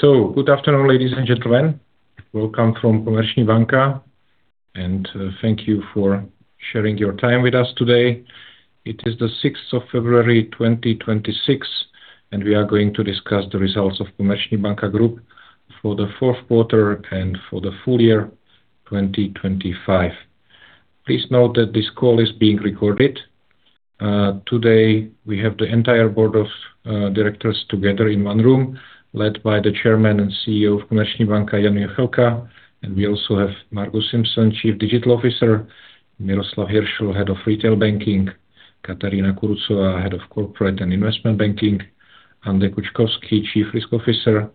So, good afternoon, ladies and gentlemen. Welcome from Komerční banka, and thank you for sharing your time with us today. It is the 6th of February, 2026, and we are going to discuss the results of Komerční banka Group for the Q4 and for the full year 2025. Please note that this call is being recorded. Today we have the entire board of directors together in one room, led by the Chairman and CEO of Komerční banka Jan Juchelka, and we also have Margus Simson, Chief Digital Officer; Miroslav Hiršl, Head of Retail Banking; Katarína Kurucová, Head of Corporate and Investment Banking; Anne de Kouchkovsky, Chief Risk Officer;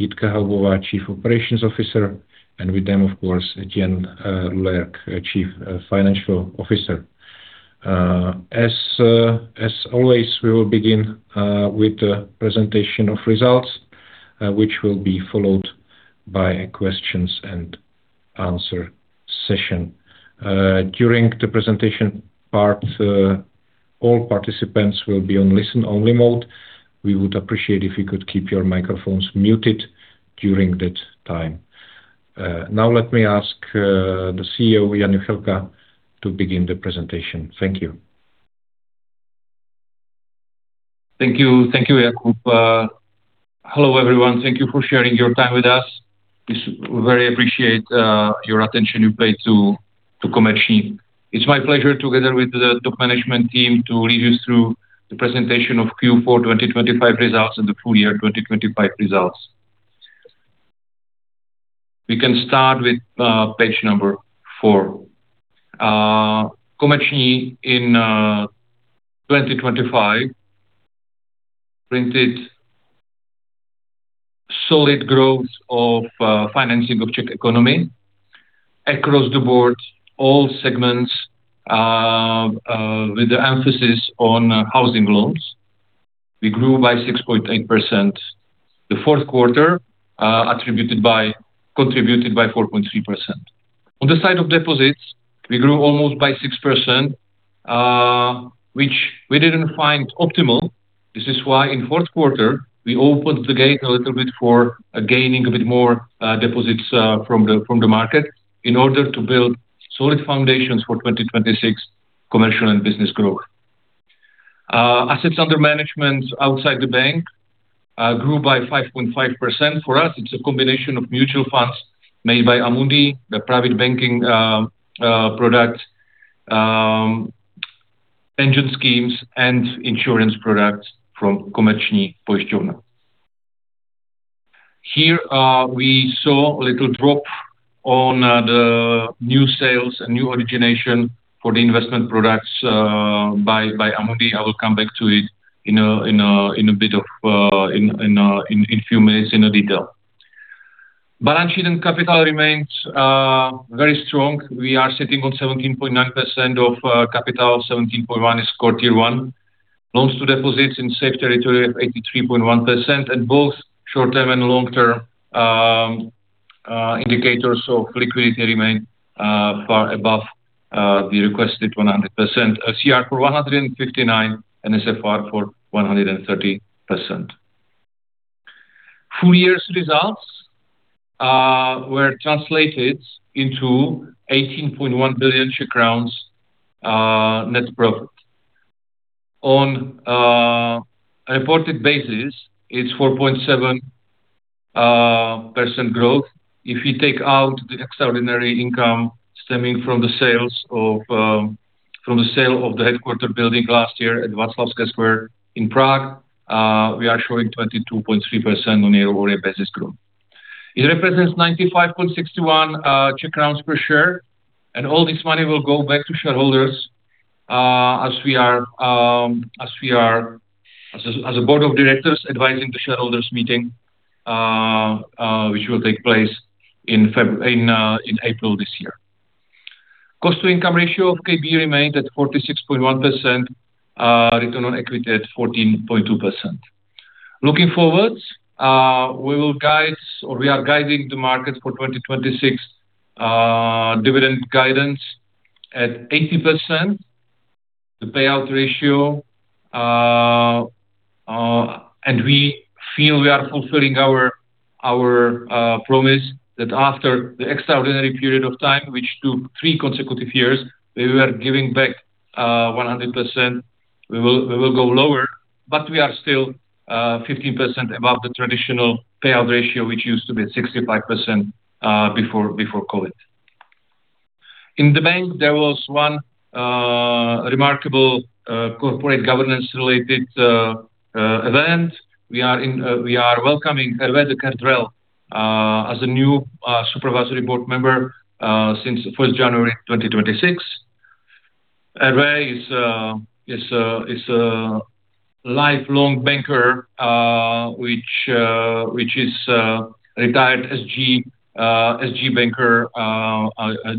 Jitka Haubová, Chief Operations Officer; and with them, of course, Etienne Loulergue, Chief Financial Officer. As always, we will begin with the presentation of results, which will be followed by a questions-and-answer session. During the presentation part, all participants will be on listen-only mode. We would appreciate if you could keep your microphones muted during that time. Now let me ask the CEO, Jan Juchelka, to begin the presentation. Thank you. Thank you, Jakub. Hello everyone, thank you for sharing your time with us. We very appreciate your attention you paid to Komerční. It's my pleasure, together with the top management team, to lead you through the presentation of Q4 2025 results and the full year 2025 results. We can start with page number 4. Komerční in 2025 printed solid growth of financing of Czech economy across the board, all segments, with the emphasis on housing loans. We grew by 6.8% the Q4, contributed by 4.3%. On the side of deposits, we grew almost by 6%, which we didn't find optimal. This is why, in Q4, we opened the gate a little bit for gaining a bit more deposits from the market in order to build solid foundations for 2026 commercial and business growth. Assets under management outside the bank grew by 5.5%. For us, it's a combination of mutual funds made by Amundi, the private banking product engine schemes, and insurance products from Komerční pojišťovna. Here we saw a little drop on the new sales and new origination for the investment products by Amundi. I will come back to it in a bit of in a few minutes in a detail. Balance sheet and capital remains very strong. We are sitting on 17.9% of capital. 17.1% is quarter one. Loans to deposits in safe territory of 83.1%, and both short-term and long-term indicators of liquidity remain far above the requested 100%: LCR for 159% and NSFR for 130%. Full year's results were translated into 18.1 billion Czech crowns net profit. On a reported basis, it's 4.7% growth if we take out the extraordinary income stemming from the sales of the headquarters building last year at Václavské Square in Prague. We are showing 22.3% on a year-over-year basis growth. It represents 95.61 per share, and all this money will go back to shareholders as we are as a board of directors advising the shareholders' meeting, which will take place in April this year. Cost-to-income ratio of KB remained at 46.1%, return on equity at 14.2%. Looking forward, we will guide or we are guiding the market for 2026 dividend guidance at 80%, the payout ratio, and we feel we are fulfilling our promise that after the extraordinary period of time, which took three consecutive years, where we were giving back 100%, we will go lower, but we are still 15% above the traditional payout ratio, which used to be at 65% before COVID. In the bank, there was one remarkable corporate governance-related event. We are welcoming Hervé Audren de Kerdrel as a new supervisory board member since 1st January 2026. Hervé is a lifelong banker, which is a retired SG banker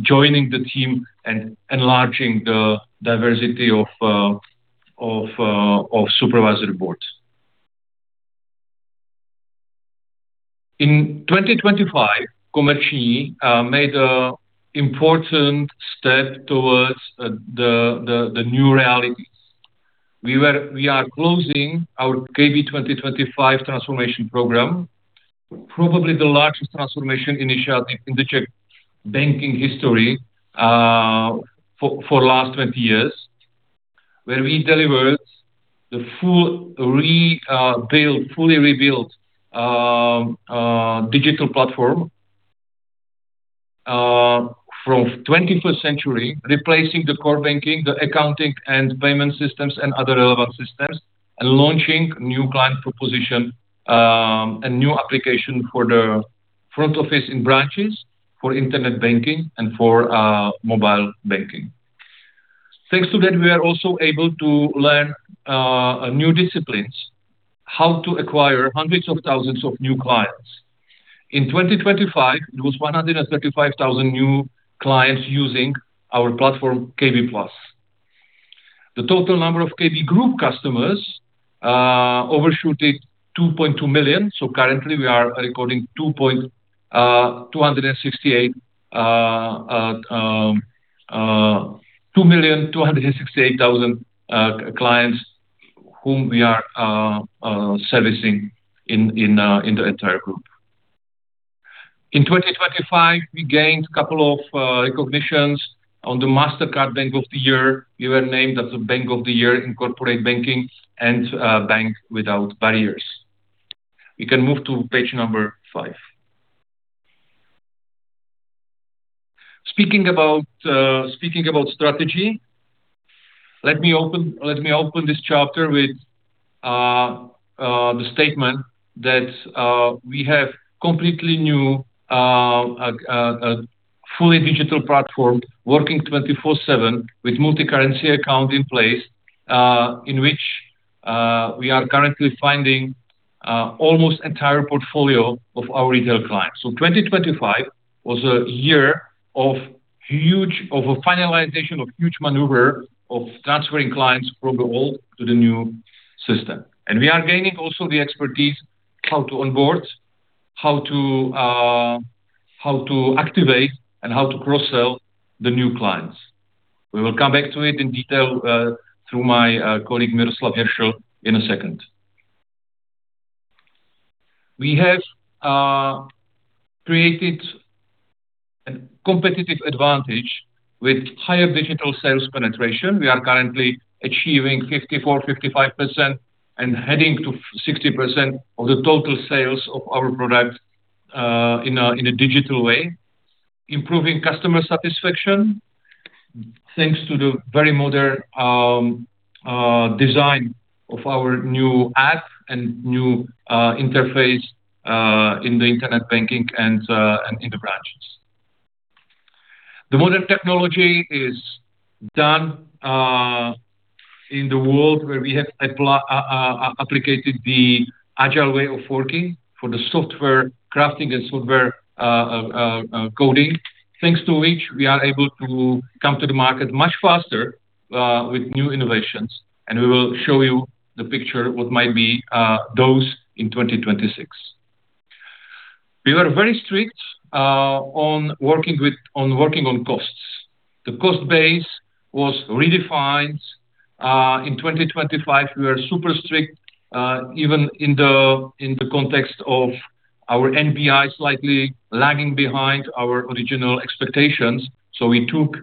joining the team and enlarging the diversity of supervisory boards. In 2025, Komerční made an important step towards the new realities. We are closing our KB 2025 transformation program, probably the largest transformation initiative in the Czech banking history for the last 20 years, where we delivered the fully rebuilt digital platform from the 21st century, replacing the core banking, the accounting and payment systems, and other relevant systems, and launching new client propositions and new applications for the front office in branches for internet banking and for mobile banking. Thanks to that, we are also able to learn new disciplines, how to acquire hundreds of thousands of new clients. In 2025, it was 135,000 new clients using our platform, KB Plus. The total number of KB Group customers overshot 2.2 million, so currently we are recording 2,268,000 clients whom we are servicing in the entire group. In 2025, we gained a couple of recognitions on the Mastercard Bank of the Year. We were named as the Bank of the Year in corporate banking and Bank Without Barriers. We can move to page number five. Speaking about strategy, let me open this chapter with the statement that we have a completely new, fully digital platform working 24/7 with a multicurrency account in place, in which we are currently finding almost the entire portfolio of our retail clients. So 2025 was a year of a finalization of a huge maneuver of transferring clients from the old to the new system. And we are gaining also the expertise how to onboard, how to activate, and how to cross-sell the new clients. We will come back to it in detail through my colleague Miroslav Hiršl in a second. We have created a competitive advantage with higher digital sales penetration. We are currently achieving 54%-55%, and heading to 60% of the total sales of our product in a digital way, improving customer satisfaction thanks to the very modern design of our new app and new interface in the internet banking and in the branches. The modern technology is done in the world where we have applicated the agile way of working for the software crafting and software coding, thanks to which we are able to come to the market much faster with new innovations. And we will show you the picture of what might be those in 2026. We were very strict on working on costs. The cost base was redefined. In 2025, we were super strict, even in the context of our NBI slightly lagging behind our original expectations. So we took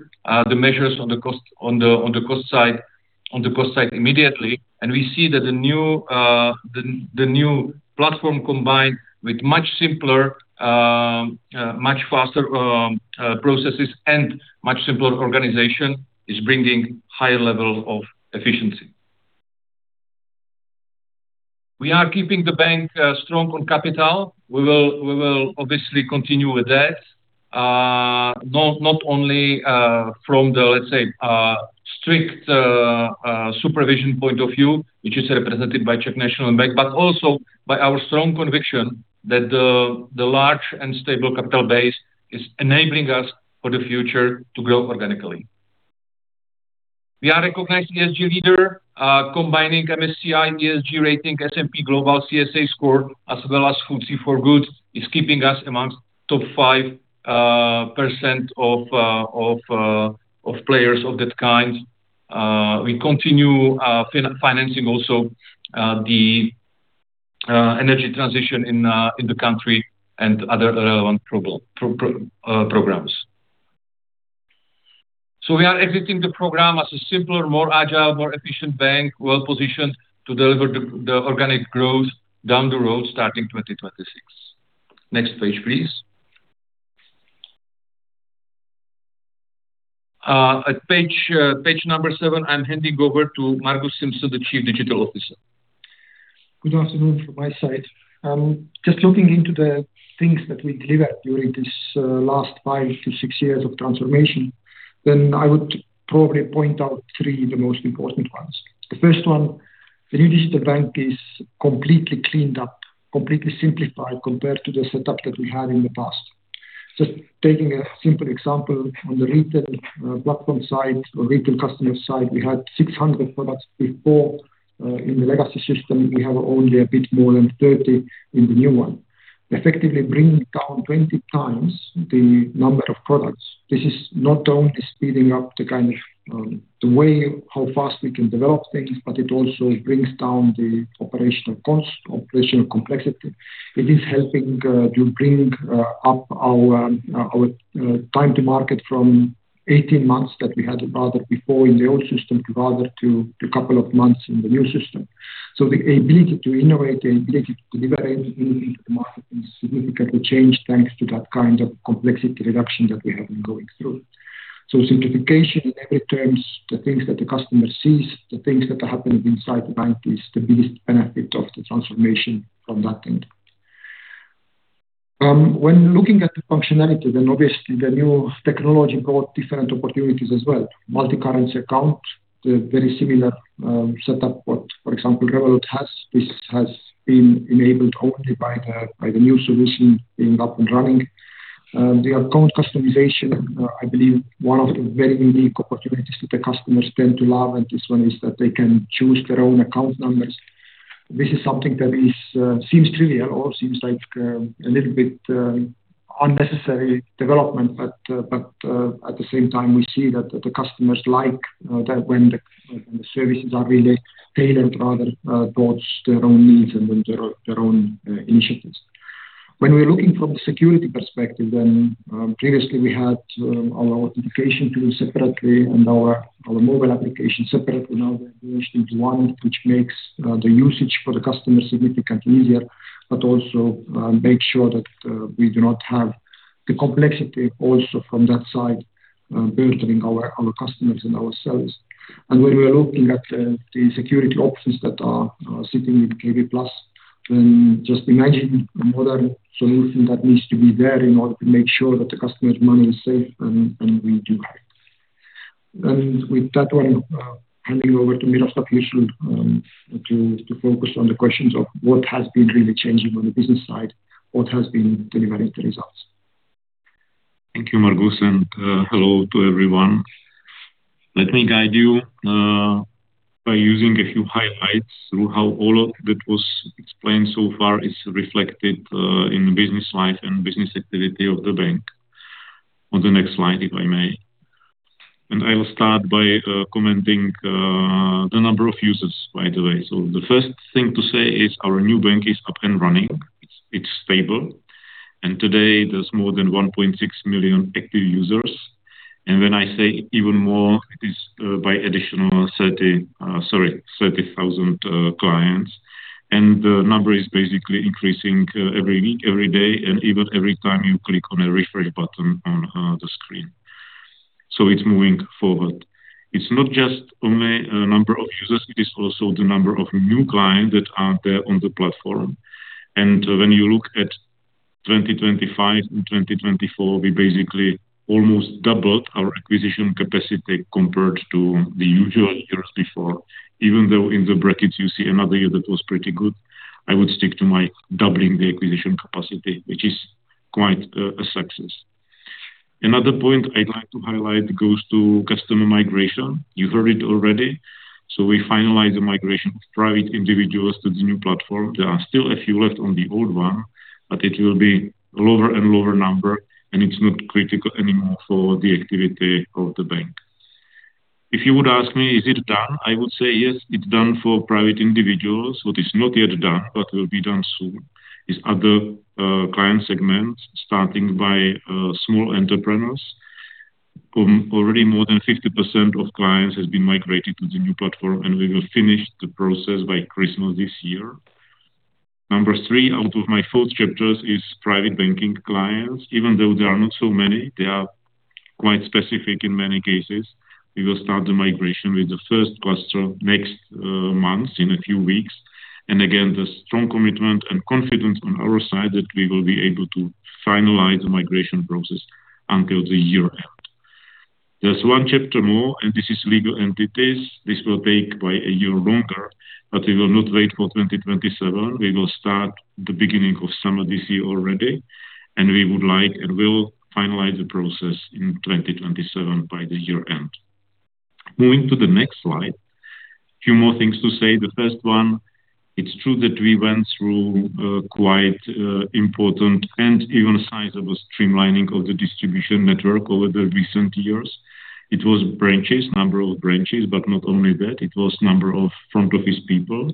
the measures on the cost side immediately. And we see that the new platform, combined with much simpler, much faster processes, and much simpler organization, is bringing a higher level of efficiency. We are keeping the bank strong on capital. We will obviously continue with that, not only from the, let's say, strict supervision point of view, which is represented by Czech National Bank, but also by our strong conviction that the large and stable capital base is enabling us for the future to grow organically. We are a recognized ESG leader. Combining MSCI ESG rating, S&P Global CSA score, as well as FTSE4Good, is keeping us amongst the top 5% of players of that kind. We continue financing also the energy transition in the country and other relevant programs. So we are exiting the program as a simpler, more agile, more efficient bank, well-positioned to deliver the organic growth down the road starting 2026. Next page, please. At page number seven, I'm handing over to Margus Simson, the Chief Digital Officer. Good afternoon from my side. Just looking into the things that we delivered during these last 5-6 years of transformation, then I would probably point out three of the most important ones. The first one, the new digital bank is completely cleaned up, completely simplified compared to the setup that we had in the past. Just taking a simple example, on the retail platform side or retail customer side, we had 600 products before. In the legacy system, we have only a bit more than 30 in the new one, effectively bringing down 20 times the number of products. This is not only speeding up the way how fast we can develop things, but it also brings down the operational complexity. It is helping to bring up our time to market from 18 months that we had rather before in the old system to rather to a couple of months in the new system. So the ability to innovate, the ability to deliver anything to the market is significantly changed thanks to that kind of complexity reduction that we have been going through. So simplification in every terms, the things that the customer sees, the things that are happening inside. 90%, the biggest benefit of the transformation from that end. When looking at the functionality, then obviously the new technology brought different opportunities as well: multicurrency account, the very similar setup what, for example, Revolut has. This has been enabled only by the new solution being up and running. The account customization, I believe, one of the very unique opportunities that the customers tend to love, and this one is that they can choose their own account numbers. This is something that seems trivial or seems like a little bit unnecessary development, but at the same time, we see that the customers like when the services are really tailored rather towards their own needs and their own initiatives. When we're looking from the security perspective, then previously we had our authentication tool separately and our mobile application separately. Now they've merged into one, which makes the usage for the customer significantly easier, but also makes sure that we do not have the complexity also from that side burdening our customers and ourselves. When we are looking at the security options that are sitting in KB Plus, then just imagine a modern solution that needs to be there in order to make sure that the customer's money is safe and we do have it. With that one, handing over to Miroslav Hiršl to focus on the questions of what has been really changing on the business side, what has been delivering the results. Thank you, Margus. Hello to everyone. Let me guide you by using a few highlights through how all of that was explained so far is reflected in the business life and business activity of the bank on the next slide, if I may. I will start by commenting the number of users, by the way. The first thing to say is our new bank is up and running. It's stable. Today, there's more than 1.6 million active users. When I say even more, it is by additional 30,000 clients. The number is basically increasing every week, every day, and even every time you click on a refresh button on the screen. It's moving forward. It's not just only a number of users. It is also the number of new clients that are there on the platform. When you look at 2025 and 2024, we basically almost doubled our acquisition capacity compared to the usual years before. Even though in the brackets, you see another year that was pretty good, I would stick to my doubling the acquisition capacity, which is quite a success. Another point I'd like to highlight goes to customer migration. You heard it already. So we finalized the migration of private individuals to the new platform. There are still a few left on the old one, but it will be a lower and lower number, and it's not critical anymore for the activity of the bank. If you would ask me, "Is it done?" I would say, "Yes, it's done for private individuals." What is not yet done, but will be done soon, is other client segments starting by small entrepreneurs. Already more than 50% of clients have been migrated to the new platform, and we will finish the process by Christmas this year. Number three out of my four chapters is private banking clients. Even though there are not so many, they are quite specific in many cases. We will start the migration with the first cluster next month, in a few weeks. Again, the strong commitment and confidence on our side that we will be able to finalize the migration process until the year end. There's one chapter more, and this is legal entities. This will take by a year longer, but we will not wait for 2027. We will start the beginning of summer this year already, and we would like and will finalize the process in 2027 by the year end. Moving to the next slide, a few more things to say. The first one, it's true that we went through quite important and even sizable streamlining of the distribution network over the recent years. It was branches, number of branches, but not only that. It was number of front office people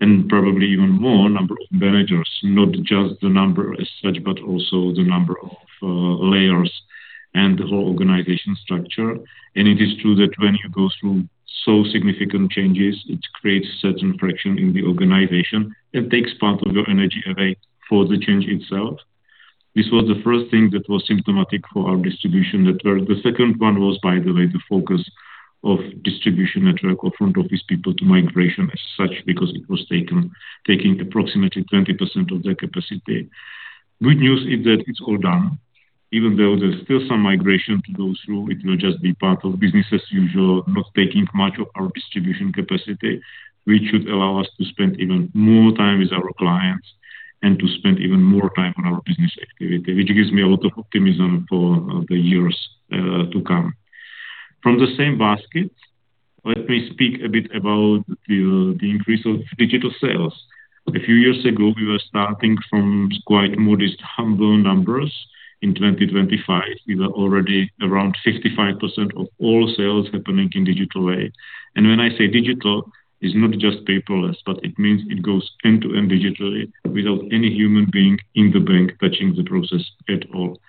and probably even more number of managers, not just the number as such, but also the number of layers and the whole organization structure. And it is true that when you go through so significant changes, it creates certain friction in the organization and takes part of your energy away for the change itself. This was the first thing that was symptomatic for our distribution network. The second one was, by the way, the focus of distribution network or front office people to migration as such because it was taking approximately 20% of their capacity. Good news is that it's all done. Even though there's still some migration to go through, it will just be part of business as usual, not taking much of our distribution capacity, which should allow us to spend even more time with our clients and to spend even more time on our business activity, which gives me a lot of optimism for the years to come. From the same basket, let me speak a bit about the increase of digital sales. A few years ago, we were starting from quite modest, humble numbers. In 2025, we were already around 55% of all sales happening in digital way. And when I say digital, it's not just paperless, but it means it goes end-to-end digitally without any human being in the bank touching the process at all.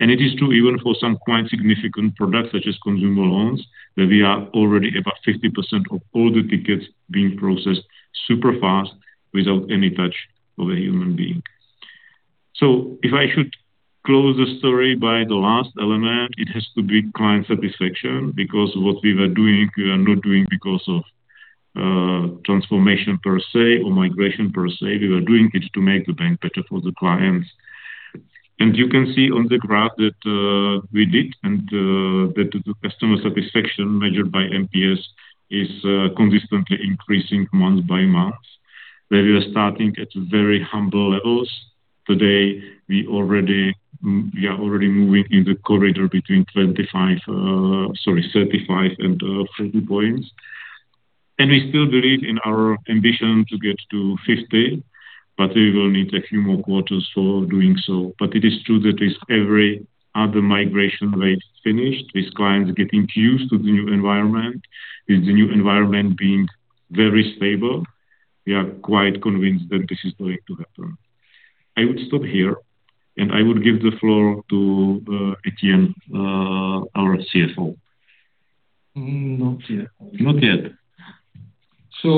It is true even for some quite significant products such as consumer loans that we are already about 50% of all the tickets being processed super fast without any touch of a human being. So if I should close the story by the last element, it has to be client satisfaction because what we were doing, we were not doing because of transformation per se or migration per se. We were doing it to make the bank better for the clients. You can see on the graph that we did and that the customer satisfaction measured by NPS is consistently increasing month by month. Where we were starting at very humble levels, today we are already moving in the corridor between 35-40 points. We still believe in our ambition to get to 50, but we will need a few more quarters for doing so. But it is true that with every other migration wave finished, with clients getting used to the new environment, with the new environment being very stable, we are quite convinced that this is going to happen. I would stop here, and I would give the floor to Etienne, our CFO. Not yet. Not yet. So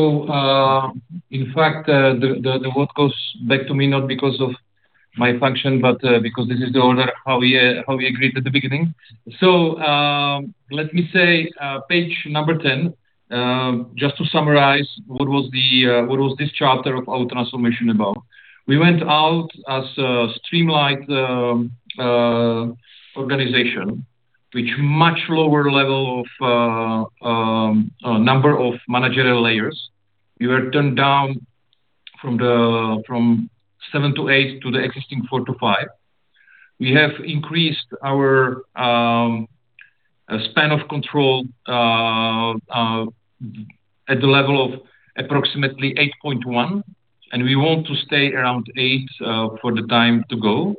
in fact, the word goes back to me, not because of my function, but because this is the order how we agreed at the beginning. So let me say page number 10, just to summarize what was this chapter of our transformation about. We went out as a streamlined organization, which much lower level of number of managerial layers. We were turned down from seven to eight to the existing four to five. We have increased our span of control at the level of approximately 8.1, and we want to stay around eight for the time to go.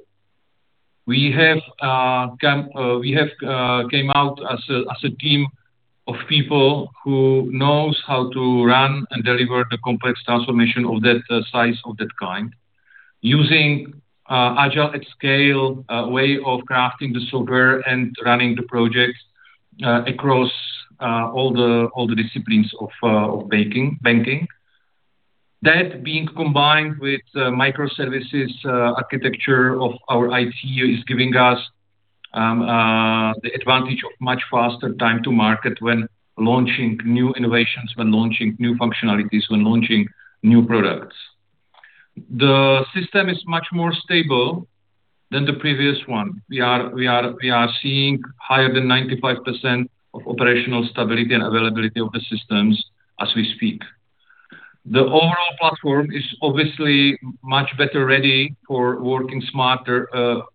We came out as a team of people who knows how to run and deliver the complex transformation of that size of that kind using an agile at scale way of crafting the software and running the projects across all the disciplines of banking. That being combined with microservices architecture of our IT is giving us the advantage of much faster time to market when launching new innovations, when launching new functionalities, when launching new products. The system is much more stable than the previous one. We are seeing higher than 95% of operational stability and availability of the systems as we speak. The overall platform is obviously much better ready for working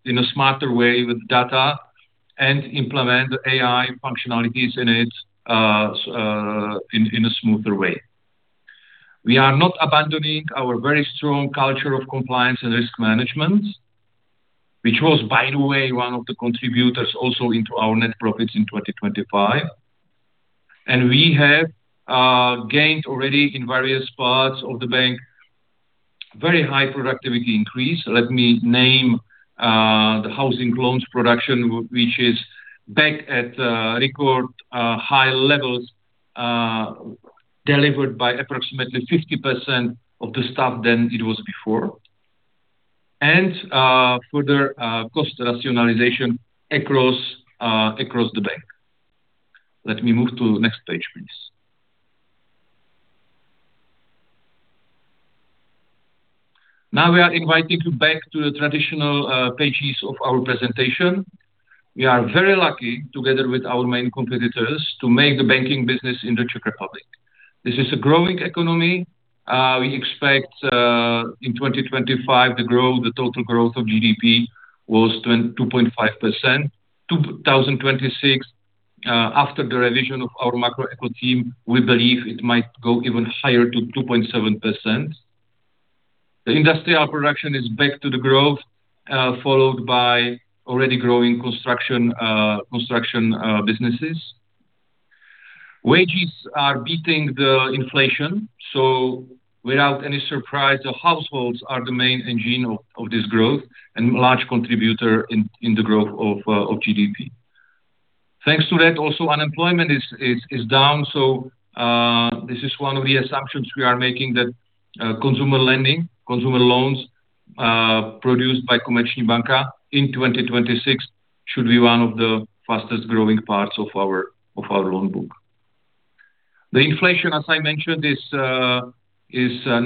in a smarter way with data and implement the AI functionalities in it in a smoother way. We are not abandoning our very strong culture of compliance and risk management, which was, by the way, one of the contributors also into our net profits in 2025. We have gained already in various parts of the bank very high productivity increase. Let me name the housing loans production, which is back at record high levels, delivered by approximately 50% of the staff than it was before, and further cost rationalization across the bank. Let me move to the next page, please. Now we are inviting you back to the traditional pages of our presentation. We are very lucky together with our main competitors to make the banking business in the Czech Republic. This is a growing economy. We expect in 2025 the total growth of GDP was 2.5%. 2026, after the revision of our macroeconomic team, we believe it might go even higher to 2.7%. The industrial production is back to the growth, followed by already growing construction businesses. Wages are beating the inflation. So without any surprise, households are the main engine of this growth and large contributor in the growth of GDP. Thanks to that, also, unemployment is down. So this is one of the assumptions we are making that consumer lending, consumer loans produced by Komerční banka in 2026 should be one of the fastest growing parts of our loan book. The inflation, as I mentioned, is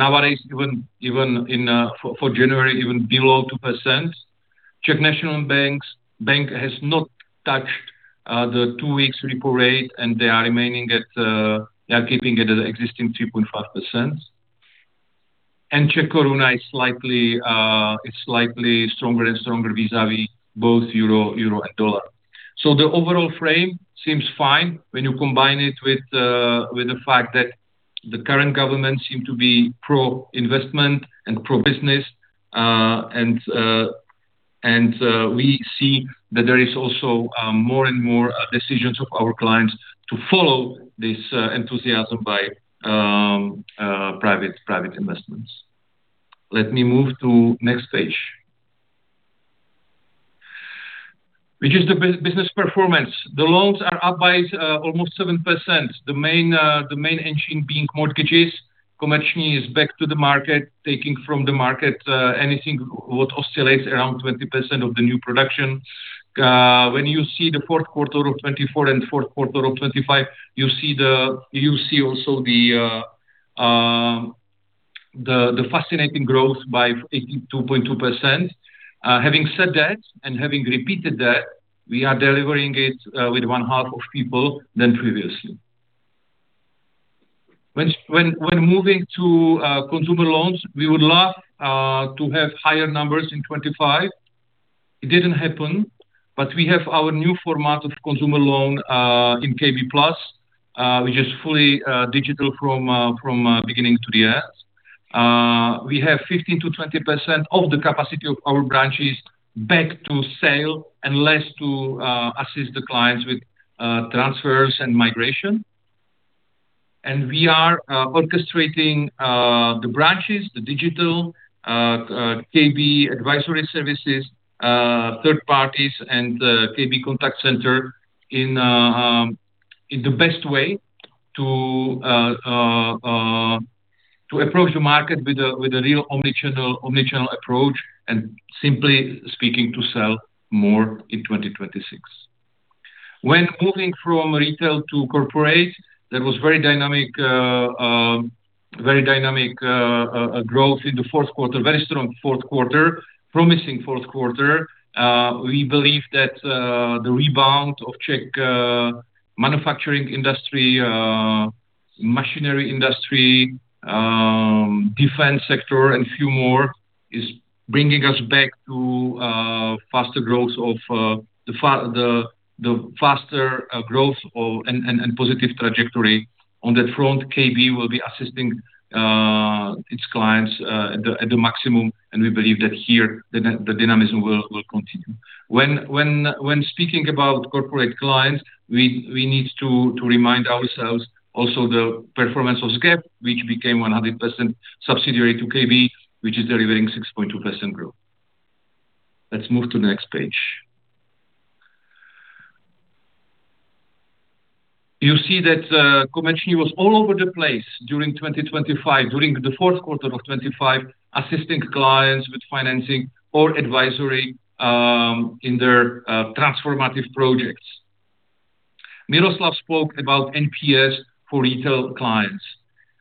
nowadays even for January, even below 2%. Czech National Bank has not touched the two-week repo rate, and they are keeping it at the existing 3.5%. And Czech koruna is slightly stronger and stronger vis-à-vis both euro and dollar. So the overall frame seems fine when you combine it with the fact that the current government seem to be pro-investment and pro-business, and we see that there is also more and more decisions of our clients to follow this enthusiasm by private investments. Let me move to the next page, which is the business performance. The loans are up by almost 7%, the main engine being mortgages. Komerční is back to the market, taking from the market anything what oscillates around 20% of the new production. When you see the Q4 of 2024 and Q4 of 2025, you see also the fascinating growth by 82.2%. Having said that and having repeated that, we are delivering it with one-half of people than previously. When moving to consumer loans, we would love to have higher numbers in 2025. It didn't happen, but we have our new format of consumer loan in KB Plus, which is fully digital from beginning to the end. We have 15%-20% of the capacity of our branches back to sale and less to assist the clients with transfers and migration. We are orchestrating the branches, the digital KB advisory services, third parties, and KB contact center in the best way to approach the market with a real omnichannel approach and simply speaking to sell more in 2026. When moving from retail to corporate, there was very dynamic growth in the Q4, very strong Q4, promising Q4. We believe that the rebound of Czech manufacturing industry, machinery industry, defense sector, and a few more is bringing us back to faster growth of the faster growth and positive trajectory. On that front, KB will be assisting its clients at the maximum, and we believe that here the dynamism will continue. When speaking about corporate clients, we need to remind ourselves also the performance of SGEF, which became 100% subsidiary to KB, which is delivering 6.2% growth. Let's move to the next page. You see that Komerční was all over the place during 2025, during the Q4 of 2025, assisting clients with financing or advisory in their transformative projects. Miroslav spoke about NPS for retail clients.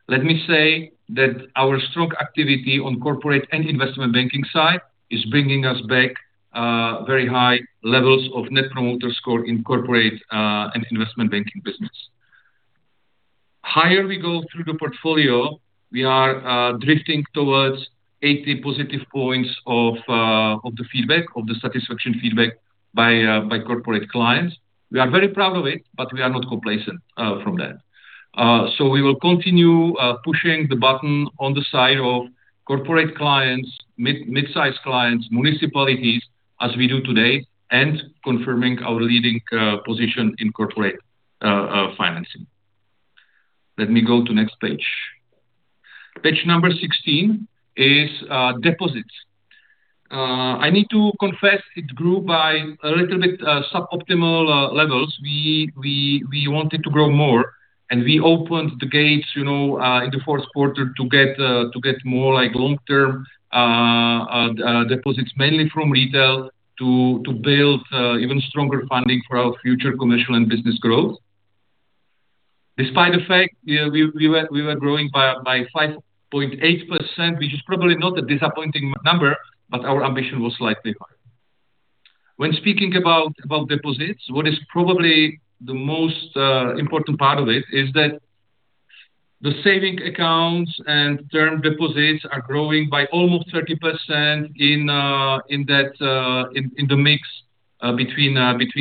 Let me say that our strong activity on corporate and investment banking side is bringing us back very high levels of net promoter score in corporate and investment banking business. Higher we go through the portfolio, we are drifting towards 80 positive points of the feedback, of the satisfaction feedback by corporate clients. We are very proud of it, but we are not complacent from that. So we will continue pushing the button on the side of corporate clients, midsize clients, municipalities, as we do today, and confirming our leading position in corporate financing. Let me go to the next page. Page number 16 is deposits. I need to confess it grew by a little bit suboptimal levels. We wanted to grow more, and we opened the gates in the Q4 to get more long-term deposits, mainly from retail, to build even stronger funding for our future commercial and business growth. Despite the fact, we were growing by 5.8%, which is probably not a disappointing number, but our ambition was slightly higher. When speaking about deposits, what is probably the most important part of it is that the savings accounts and term deposits are growing by almost 30% in the mix between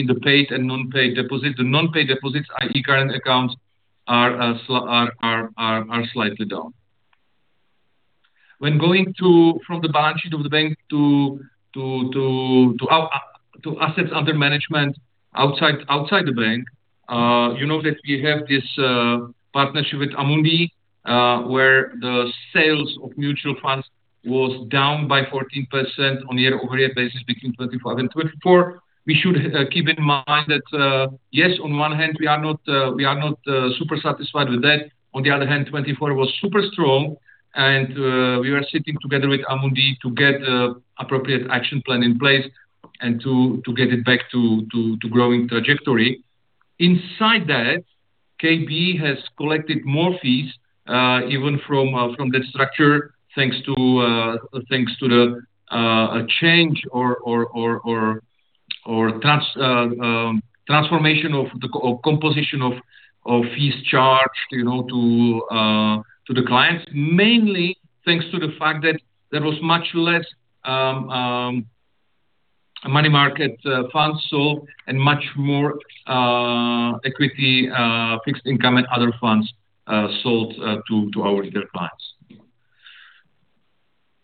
the paid and non-paid deposits. The non-paid deposits, i.e., current accounts, are slightly down. When going from the balance sheet of the bank to assets under management outside the bank, you know that we have this partnership with Amundi, where the sales of mutual funds were down by 14% on a year-over-year basis between 2025 and 2024. We should keep in mind that, yes, on one hand, we are not super satisfied with that. On the other hand, 2024 was super strong, and we were sitting together with Amundi to get the appropriate action plan in place and to get it back to growing trajectory. Inside that, KB has collected more fees even from that structure thanks to the change or transformation of the composition of fees charged to the clients, mainly thanks to the fact that there was much less money market funds sold and much more equity, fixed income, and other funds sold to our retail clients.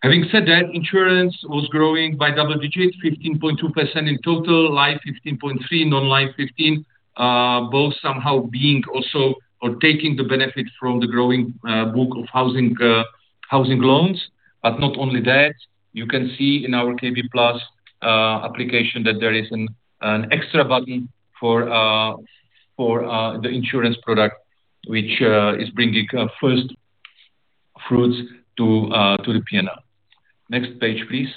Having said that, insurance was growing by double digit, 15.2% in total, Life 15.3%, Non-life 15%, both somehow being also or taking the benefit from the growing book of housing loans. But not only that, you can see in our KB Plus application that there is an extra button for the insurance product, which is bringing first fruits to the P&L. Next page, please.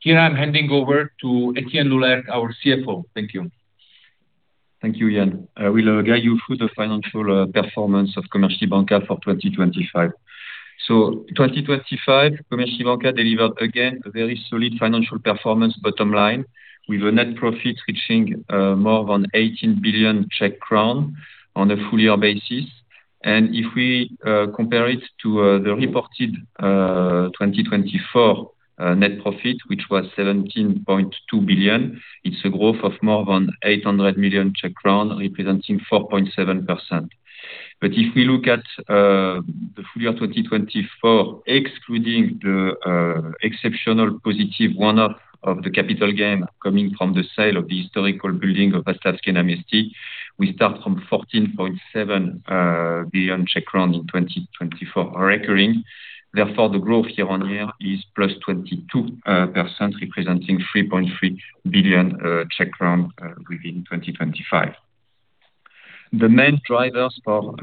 Here I'm handing over to Etienne Loulergue, our CFO. Thank you. Thank you, Jan. We'll guide you through the financial performance of Komerční banka for 2025. 2025, Komerční banka delivered, again, a very solid financial performance, bottom line, with a net profit reaching more than 18 billion Czech crown on a full-year basis. If we compare it to the reported 2024 net profit, which was 17.2 billion, it's a growth of more than 800 million Czech crown, representing 4.7%. If we look at the full-year 2024, excluding the exceptional positive one-off of the capital gain coming from the sale of the historical building of Václavské náměstí, we start from 14.7 billion in 2024, recurring. Therefore, the growth year-on-year is 22%, representing CZK 3.3 billion within 2025. The main drivers for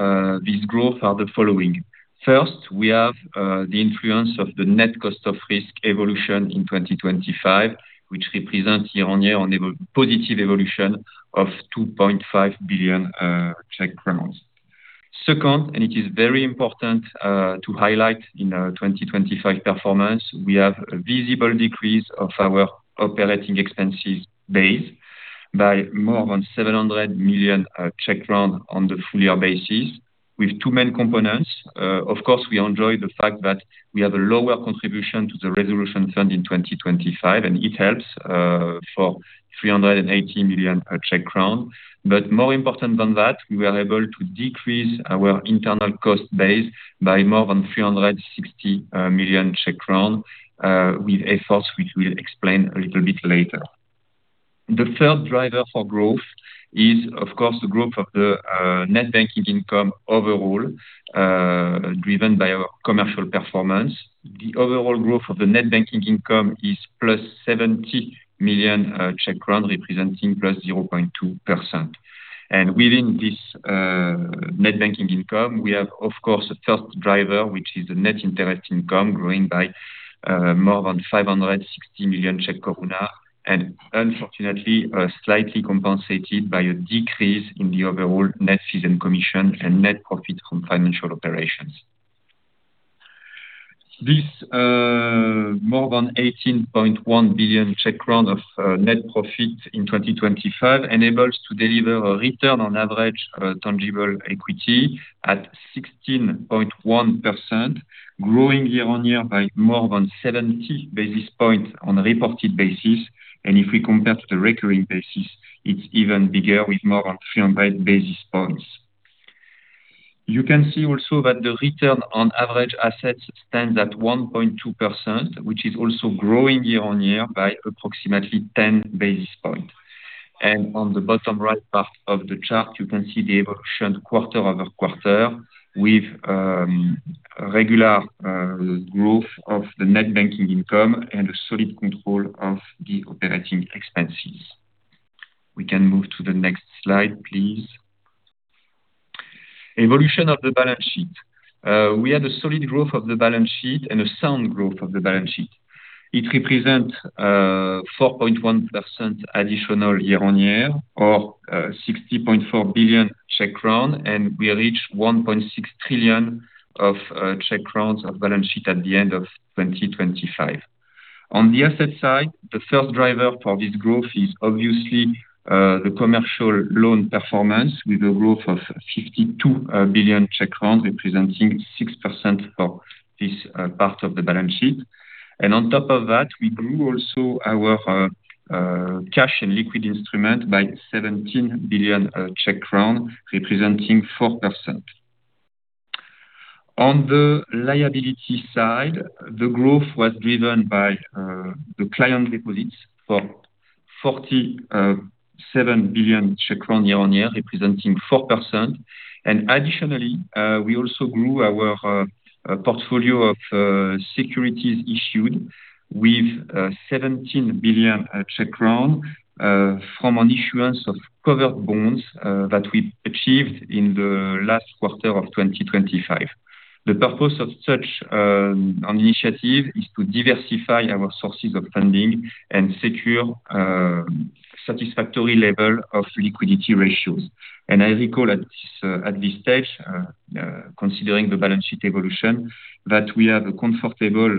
this growth are the following. First, we have the influence of the net cost of risk evolution in 2025, which represents year-on-year positive evolution of 2.5 billion. Second, and it is very important to highlight in 2025 performance, we have a visible decrease of our operating expenses base by more than 700 million on the full-year basis with two main components. Of course, we enjoy the fact that we have a lower contribution to the resolution fund in 2025, and it helps for 380 million. But more important than that, we were able to decrease our internal cost base by more than 360 million Czech crown with efforts, which we'll explain a little bit later. The third driver for growth is, of course, the growth of the net banking income overall driven by our commercial performance. The overall growth of the net banking income is +70 million Czech crown, representing +0.2%. Within this net banking income, we have, of course, a first driver, which is the net interest income growing by more than 560 million and, unfortunately, slightly compensated by a decrease in the overall net fees and commission and net profit from financial operations. This more than 18.1 billion of net profit in 2025 enables to deliver a return on average tangible equity at 16.1%, growing year-on-year by more than 70 basis points on a reported basis. If we compare to the recurring basis, it's even bigger with more than 300 basis points. You can see also that the return on average assets stands at 1.2%, which is also growing year-on-year by approximately 10 basis points. On the bottom right part of the chart, you can see the evolution quarter-over-quarter with regular growth of the net banking income and a solid control of the operating expenses. We can move to the next slide, please. Evolution of the balance sheet. We had a solid growth of the balance sheet and a sound growth of the balance sheet. It represents 4.1% additional year-on-year or 60.4 billion, and we reached 1.6 trillion of balance sheet at the end of 2025. On the asset side, the first driver for this growth is obviously the commercial loan performance with a growth of 52 billion, representing 6% for this part of the balance sheet. On top of that, we grew also our cash and liquid instrument by 17 billion Czech crown, representing 4%. On the liability side, the growth was driven by the client deposits for 47 billion Czech crown year-on-year, representing 4%. Additionally, we also grew our portfolio of securities issued with 17 billion crown from an issuance of covered bonds that we achieved in the last quarter of 2025. The purpose of such an initiative is to diversify our sources of funding and secure a satisfactory level of liquidity ratios. I recall at this stage, considering the balance sheet evolution, that we have a comfortable,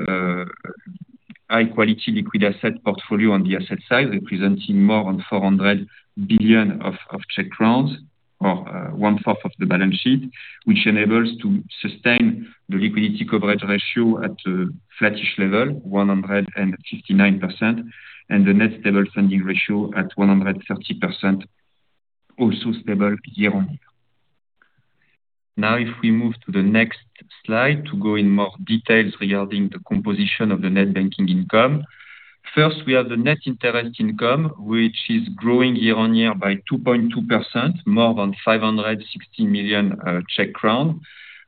high-quality liquid asset portfolio on the asset side, representing more than 400 billion or one-fourth of the balance sheet, which enables to sustain the liquidity coverage ratio at a flattish level, 159%, and the net stable funding ratio at 130%, also stable year-on-year. Now, if we move to the next slide to go in more details regarding the composition of the net banking income, first, we have the net interest income, which is growing year-on-year by 2.2%, more than 560 million Czech crown.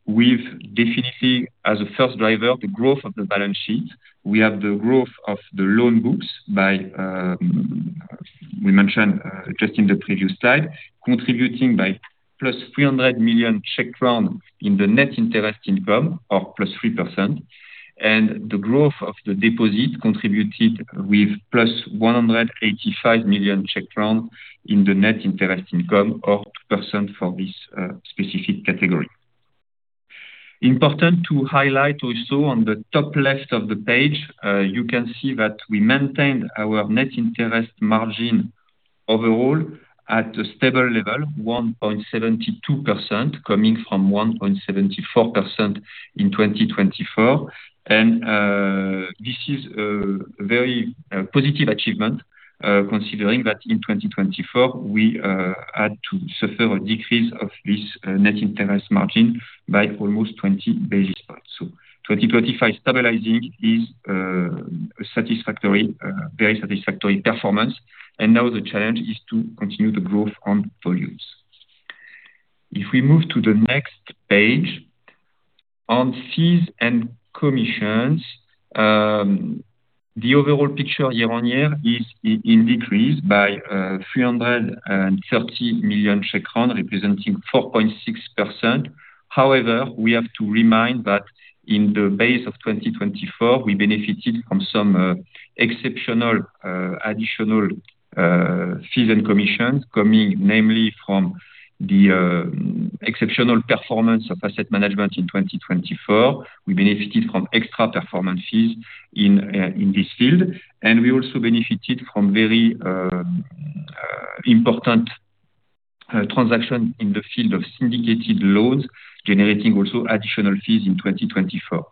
As a first driver, the growth of the balance sheet, we have the growth of the loan books by, we mentioned just in the previous slide, contributing by plus 300 million in the net interest income or plus 3%, and the growth of the deposit contributed with plus 185 million in the net interest income or 2% for this specific category. Important to highlight also on the top left of the page, you can see that we maintained our net interest margin overall at a stable level, 1.72%, coming from 1.74% in 2024. This is a very positive achievement considering that in 2024, we had to suffer a decrease of this net interest margin by almost 20 basis points. 2025 stabilizing is a very satisfactory performance. Now the challenge is to continue the growth on volumes. If we move to the next page, on fees and commissions, the overall picture year-on-year is in decrease by 330 million, representing 4.6%. However, we have to remind that in the base of 2024, we benefited from some exceptional additional fees and commissions, coming namely from the exceptional performance of asset management in 2024. We benefited from extra performance fees in this field. We also benefited from very important transactions in the field of syndicated loans, generating also additional fees in 2024.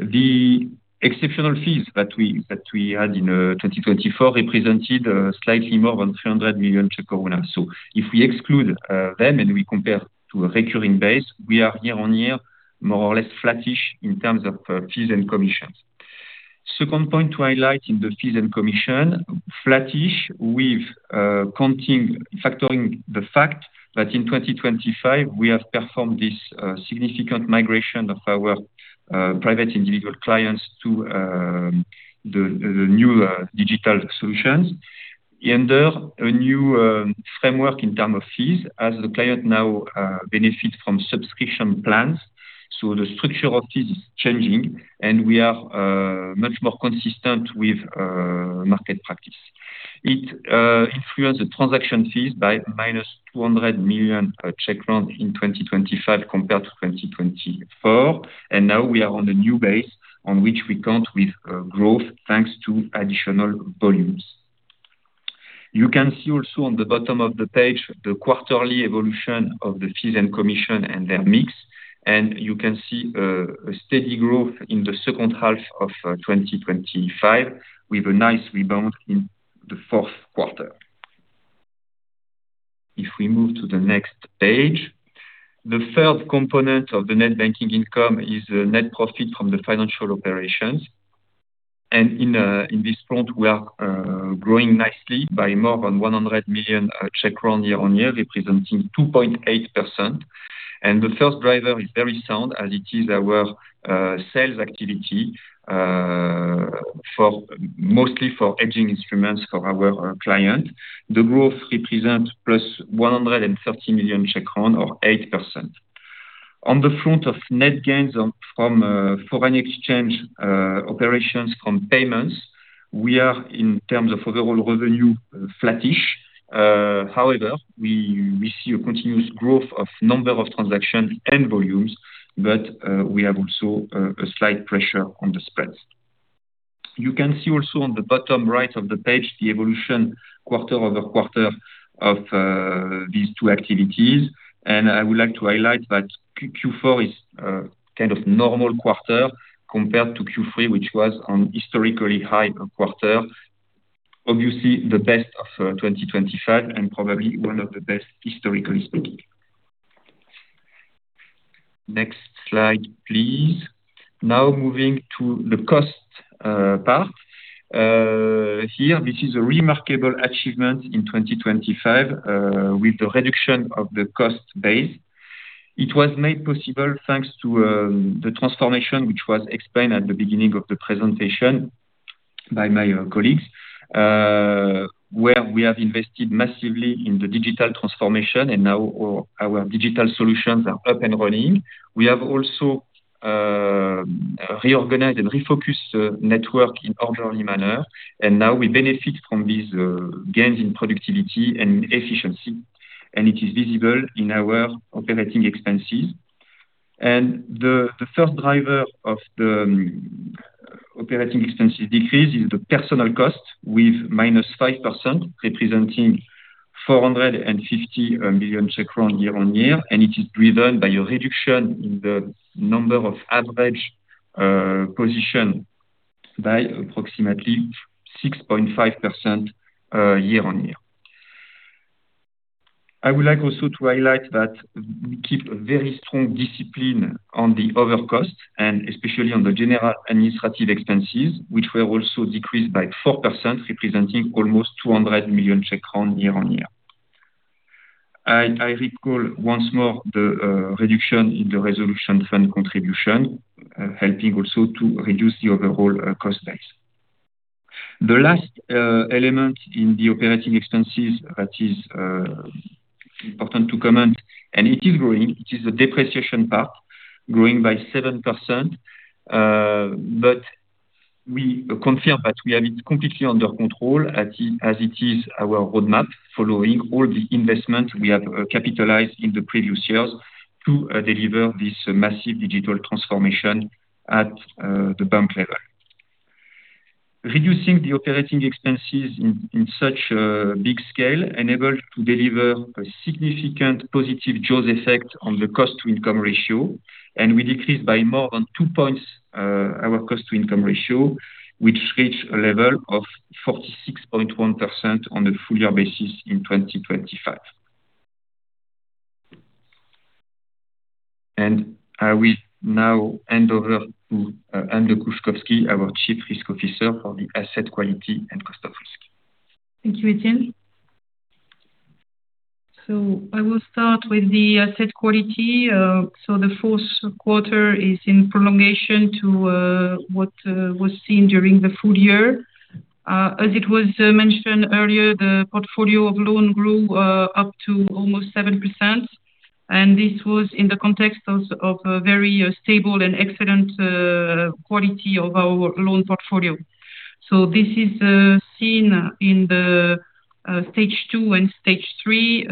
The exceptional fees that we had in 2024 represented slightly more than 300 million. So if we exclude them and we compare to a recurring base, we are year-on-year more or less flattish in terms of fees and commissions. Second point to highlight in the fees and commission, flattish with factoring the fact that in 2025, we have performed this significant migration of our private individual clients to the new digital solutions under a new framework in terms of fees, as the client now benefits from subscription plans. So the structure of fees is changing, and we are much more consistent with market practice. It influenced the transaction fees by -200 million in 2025 compared to 2024. And now we are on a new base on which we count with growth thanks to additional volumes. You can see also on the bottom of the page, the quarterly evolution of the fees and commission and their mix. You can see a steady growth in the second half of 2025 with a nice rebound in the Q4. If we move to the next page, the third component of the net banking income is net profit from the financial operations. In this front, we are growing nicely by more than 100 million Czech crown year-on-year, representing 2.8%. The first driver is very sound as it is our sales activity, mostly for hedging instruments for our client. The growth represents plus 130 million or 8%. On the front of net gains from foreign exchange operations from payments, we are, in terms of overall revenue, flattish. However, we see a continuous growth of number of transactions and volumes, but we have also a slight pressure on the spreads. You can see also on the bottom right of the page, the evolution quarter-over-quarter of these two activities. I would like to highlight that Q4 is kind of normal quarter compared to Q3, which was a historically high quarter, obviously the best of 2025 and probably one of the best historically speaking. Next slide, please. Now moving to the cost part. Here, this is a remarkable achievement in 2025 with the reduction of the cost base. It was made possible thanks to the transformation, which was explained at the beginning of the presentation by my colleagues, where we have invested massively in the digital transformation, and now our digital solutions are up and running. We have also reorganized and refocused the network in an orderly manner. Now we benefit from these gains in productivity and efficiency. It is visible in our operating expenses. The first driver of the operating expenses decrease is the Personnel costs with -5%, representing 450 million Czech crown year-on-year. It is driven by a reduction in the number of average positions by approximately 6.5% year-on-year. I would like also to highlight that we keep a very strong discipline on the overhead costs, and especially on the general administrative expenses, which were also decreased by 4%, representing almost 200 million Czech crowns year-on-year. I recall once more the reduction in the resolution fund contribution, helping also to reduce the overall cost base. The last element in the operating expenses that is important to comment, and it is growing, it is the depreciation part, growing by 7%. We confirm that we have it completely under control as it is our roadmap, following all the investments we have capitalized in the previous years to deliver this massive digital transformation at the bank level. Reducing the operating expenses in such a big scale enabled to deliver a significant positive Jaws effect on the cost-to-income ratio. We decreased by more than two points our cost-to-income ratio, which reached a level of 46.1% on a full-year basis in 2025. I will now hand over to Anne de Kouchkovsky, our Chief Risk Officer for the Asset Quality and Cost of Risk. Thank you, Etienne. So I will start with the asset quality. So the Q4 is in prolongation to what was seen during the full year. As it was mentioned earlier, the portfolio of loan grew up to almost 7%. And this was in the context of very stable and excellent quality of our loan portfolio. So this is seen in the Stage 2 and Stage 3.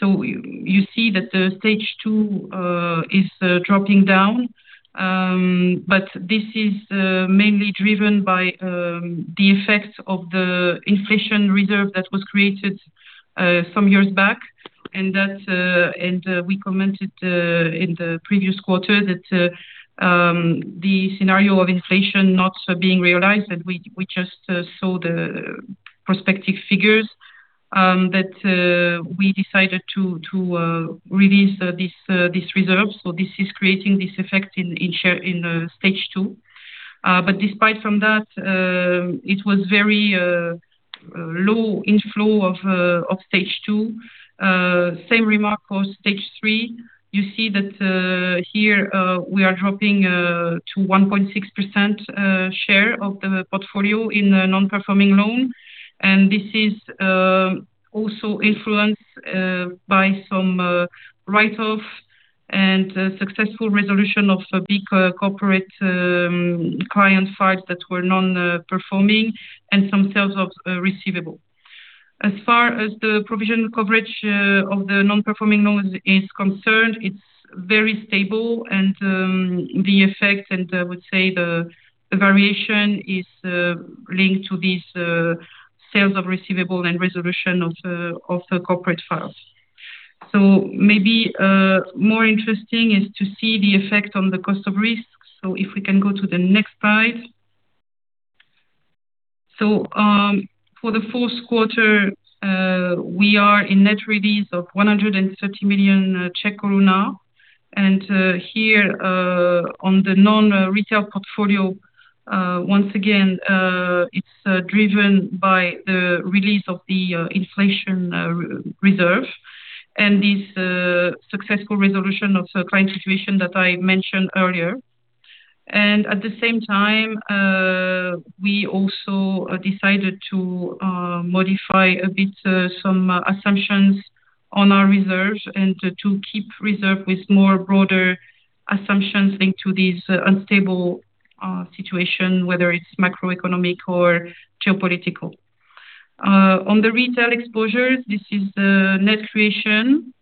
So you see that the Stage 2 is dropping down. But this is mainly driven by the effects of the inflation reserve that was created some years back. And we commented in the previous quarter that the scenario of inflation not being realized, that we just saw the prospective figures, that we decided to release this reserve. So this is creating this effect in Stage 2. But despite from that, it was very low inflow of Stage 2. Same remark for Stage 3. You see that here we are dropping to 1.6% share of the portfolio in non-performing loan. And this is also influenced by some write-off and successful resolution of big corporate client files that were non-performing and some sales of receivable. As far as the provision coverage of the non-performing loans is concerned, it's very stable. And the effect, and I would say the variation is linked to these sales of receivable and resolution of corporate files. So maybe more interesting is to see the effect on the cost of risk. So if we can go to the next slide. So for the Q4, we are in net release of 130 million. And here on the non-retail portfolio, once again, it's driven by the release of the inflation reserve and this successful resolution of client situation that I mentioned earlier. At the same time, we also decided to modify a bit some assumptions on our reserve and to keep reserve with more broader assumptions linked to this unstable situation, whether it's macroeconomic or geopolitical. On the retail exposures, this is net creation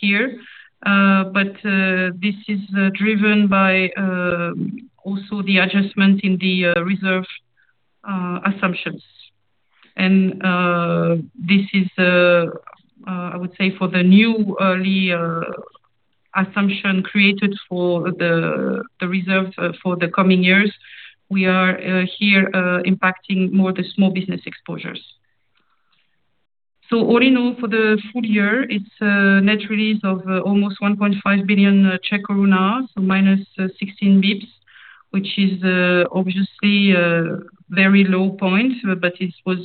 here. But this is driven by also the adjustment in the reserve assumptions. And this is, I would say, for the new early assumption created for the reserve for the coming years, we are here impacting more the small business exposures. So all in all, for the full year, it's a net release of almost 1.5 billion, so minus 16 basis points, which is obviously a very low point, but it was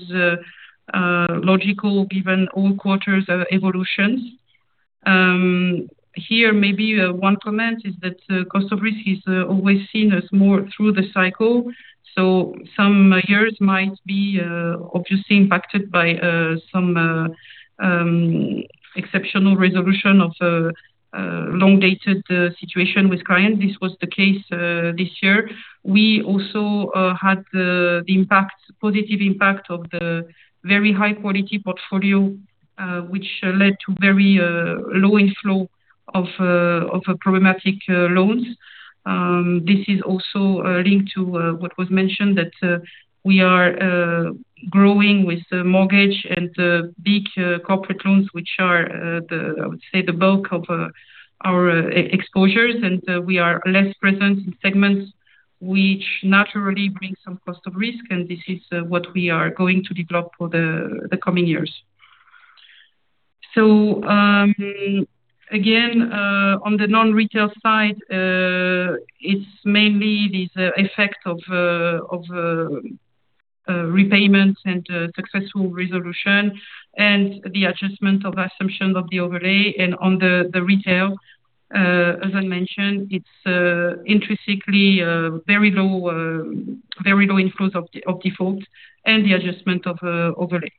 logical given all quarters' evolutions. Here, maybe one comment is that cost of risk is always seen as more through the cycle. So some years might be obviously impacted by some exceptional resolution of a long-dated situation with clients. This was the case this year. We also had the positive impact of the very high-quality portfolio, which led to very low inflow of problematic loans. This is also linked to what was mentioned, that we are growing with mortgage and big corporate loans, which are, I would say, the bulk of our exposures. And we are less present in segments which naturally bring some cost of risk. And this is what we are going to develop for the coming years. So again, on the non-retail side, it's mainly this effect of repayments and successful resolution and the adjustment of assumptions of the overlay. And on the retail, as I mentioned, it's intrinsically very low inflows of default and the adjustment of overlay.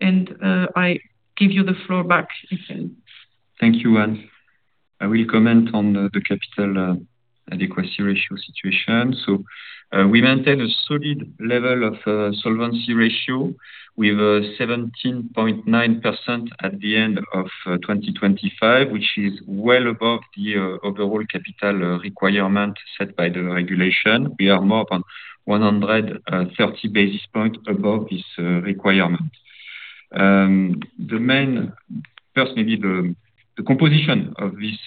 And I give you the floor back, Etienne. Thank you, Anne. I will comment on the capital adequacy ratio situation. So we maintain a solid level of solvency ratio with 17.9% at the end of 2025, which is well above the overall capital requirement set by the regulation. We are more than 130 basis points above this requirement. The composition of this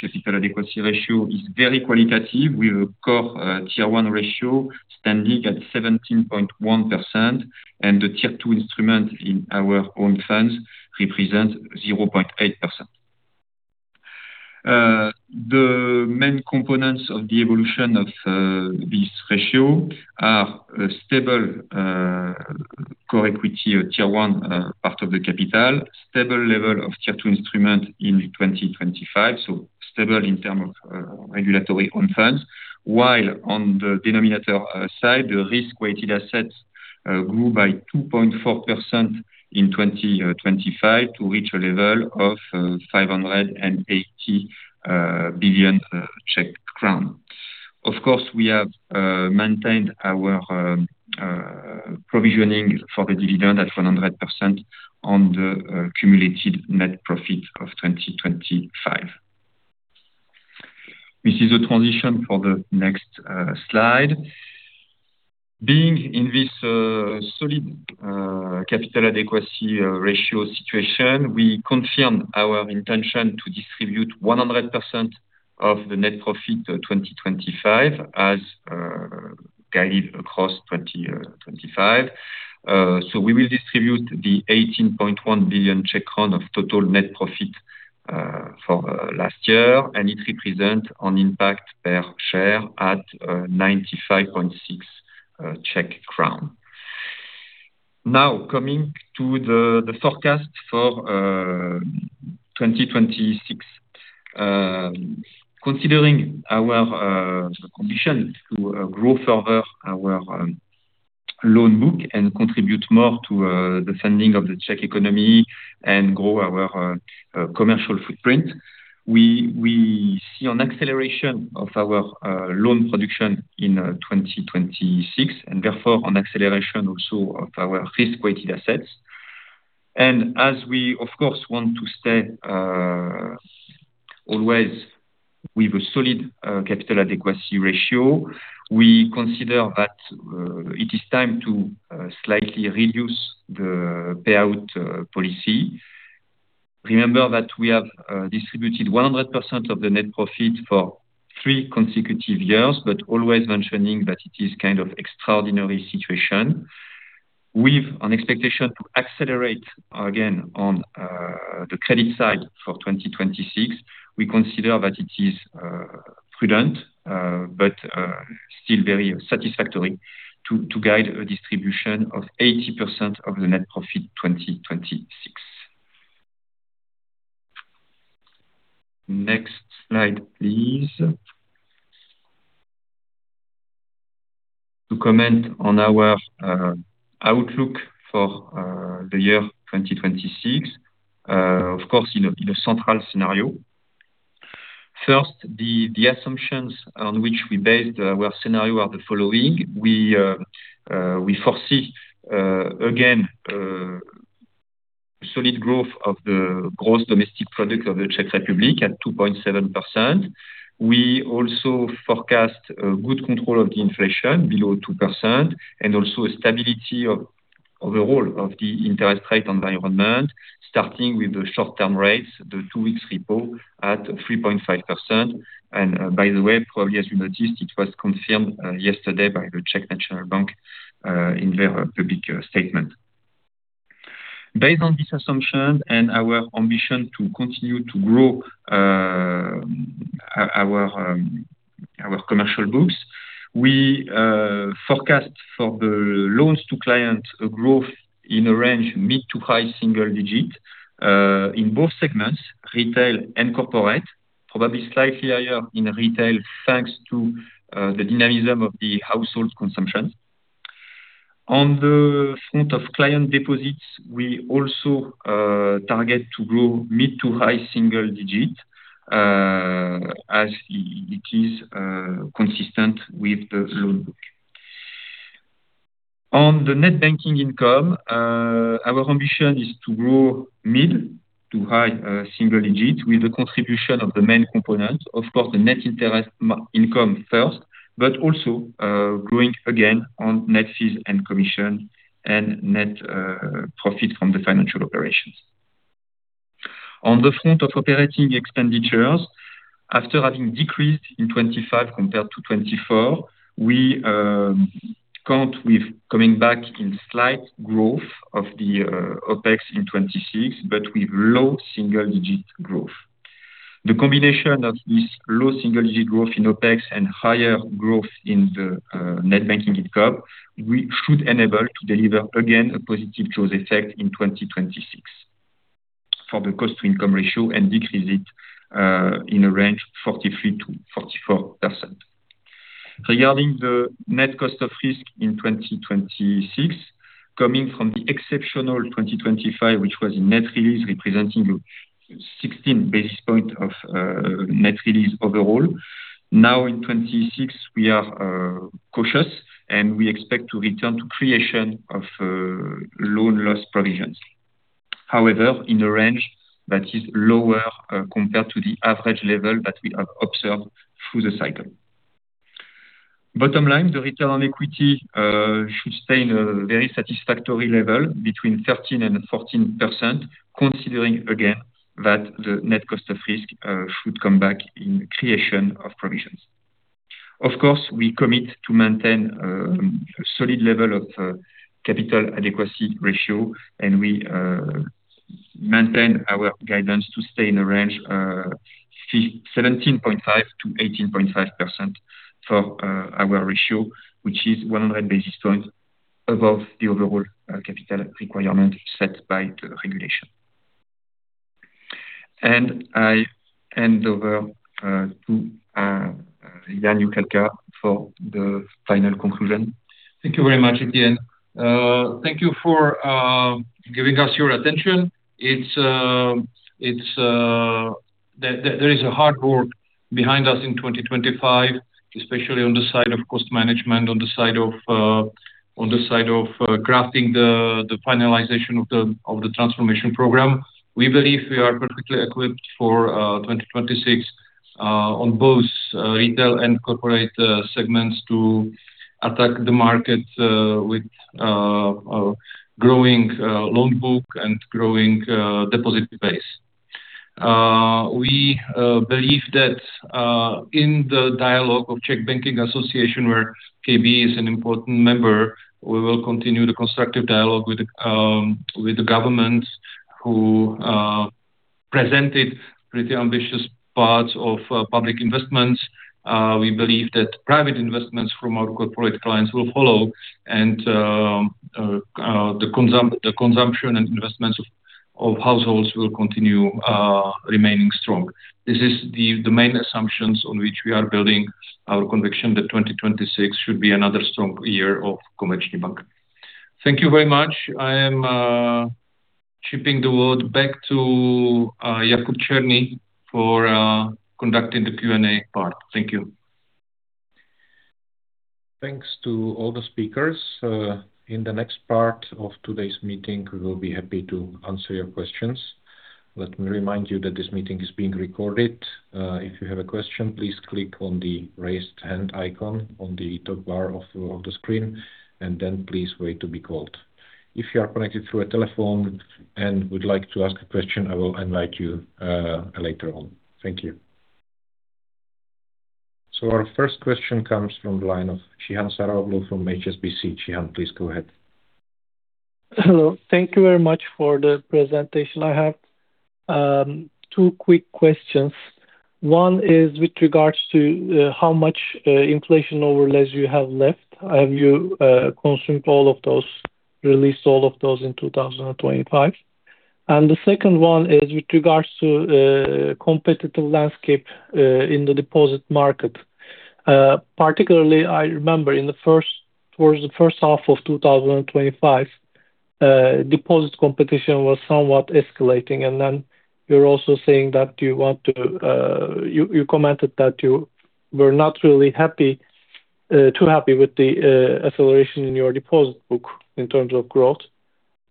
capital adequacy ratio is very qualitative with a core Tier 1 ratio standing at 17.1%. And the Tier 2 instrument in our own funds represents 0.8%. The main components of the evolution of this ratio are stable core equity Tier 1 part of the capital, stable level of Tier 2 instrument in 2025, so stable in terms of regulatory own funds, while on the denominator side, the risk-weighted assets grew by 2.4% in 2025 to reach a level of 580 billion Czech crown. Of course, we have maintained our provisioning for the dividend at 100% on the cumulated net profit of 2025. This is the transition for the next slide. Being in this solid capital adequacy ratio situation, we confirmed our intention to distribute 100% of the net profit 2025 as guided across 2025. We will distribute the 18.1 billion of total net profit for last year. It represents an impact per share at 95.6 Czech crown. Now, coming to the forecast for 2026, considering our ambition to grow further our loan book and contribute more to the funding of the Czech economy and grow our commercial footprint, we see an acceleration of our loan production in 2026 and therefore an acceleration also of our risk-weighted assets. As we, of course, want to stay always with a solid capital adequacy ratio, we consider that it is time to slightly reduce the payout policy. Remember that we have distributed 100% of the net profit for three consecutive years, but always mentioning that it is kind of extraordinary situation. With an expectation to accelerate again on the credit side for 2026, we consider that it is prudent but still very satisfactory to guide a distribution of 80% of the net profit 2026. Next slide, please. To comment on our outlook for the year 2026, of course, in a central scenario. First, the assumptions on which we based our scenario are the following. We foresee again solid growth of the gross domestic product of the Czech Republic at 2.7%. We also forecast good control of the inflation below 2% and also a stability of overall of the interest rate environment, starting with the short-term rates, the two-week repo at 3.5%. By the way, probably as you noticed, it was confirmed yesterday by the Czech National Bank in their public statement. Based on this assumption and our ambition to continue to grow our commercial books, we forecast for the loans to clients a growth in a range mid to high single digit in both segments, retail and corporate, probably slightly higher in retail thanks to the dynamism of the household consumption. On the front of client deposits, we also target to grow mid to high single digit as it is consistent with the loan book. On the net banking income, our ambition is to grow mid- to high-single-digit with the contribution of the main component, of course, the net interest income first, but also growing again on net fees and commission and net profit from the financial operations. On the front of operating expenditures, after having decreased in 2025 compared to 2024, we count with coming back in slight growth of the OPEX in 2026, but with low-single-digit growth. The combination of this low-single-digit growth in OPEX and higher growth in the net banking income should enable to deliver again a positive jaws effect in 2026 for the cost-to-income ratio and decrease it in a range of 43%-44%. Regarding the net cost of risk in 2026, coming from the exceptional 2025, which was in net release representing 16 basis points of net release overall, now in 2026, we are cautious and we expect to return to creation of loan loss provisions. However, in a range that is lower compared to the average level that we have observed through the cycle. Bottom line, the return on equity should stay in a very satisfactory level between 13%-14%, considering again that the net cost of risk should come back in creation of provisions. Of course, we commit to maintain a solid level of capital adequacy ratio, and we maintain our guidance to stay in a range of 17.5%-18.5% for our ratio, which is 100 basis points above the overall capital requirement set by the regulation. I hand over to Jan Juchelka for the final conclusion. Thank you very much, Etienne. Thank you for giving us your attention. There is a hard work behind us in 2025, especially on the side of cost management, on the side of crafting the finalization of the transformation program. We believe we are perfectly equipped for 2026 on both retail and corporate segments to attack the market with growing loan book and growing deposit base. We believe that in the dialogue of Czech Banking Association, where KB is an important member, we will continue the constructive dialogue with the government who presented pretty ambitious parts of public investments. We believe that private investments from our corporate clients will follow, and the consumption and investments of households will continue remaining strong. This is the main assumptions on which we are building our conviction that 2026 should be another strong year of Komerční banka. Thank you very much. I am handing the word back to Jakub Černý for conducting the Q&A part. Thank you. Thanks to all the speakers. In the next part of today's meeting, we will be happy to answer your questions. Let me remind you that this meeting is being recorded. If you have a question, please click on the raised hand icon on the top bar of the screen, and then please wait to be called. If you are connected through a telephone and would like to ask a question, I will invite you later on. Thank you. Our first question comes from the line of Cihan Saraoglu from HSBC. Cihan, please go ahead. Hello. Thank you very much for the presentation. I have two quick questions. One is with regards to how much inflation overhang you have left. Have you consumed all of those, released all of those in 2025? And the second one is with regards to competitive landscape in the deposit market. Particularly, I remember in the first half of 2025, deposit competition was somewhat escalating. And then you're also saying that you commented that you were not really too happy with the acceleration in your deposit book in terms of growth.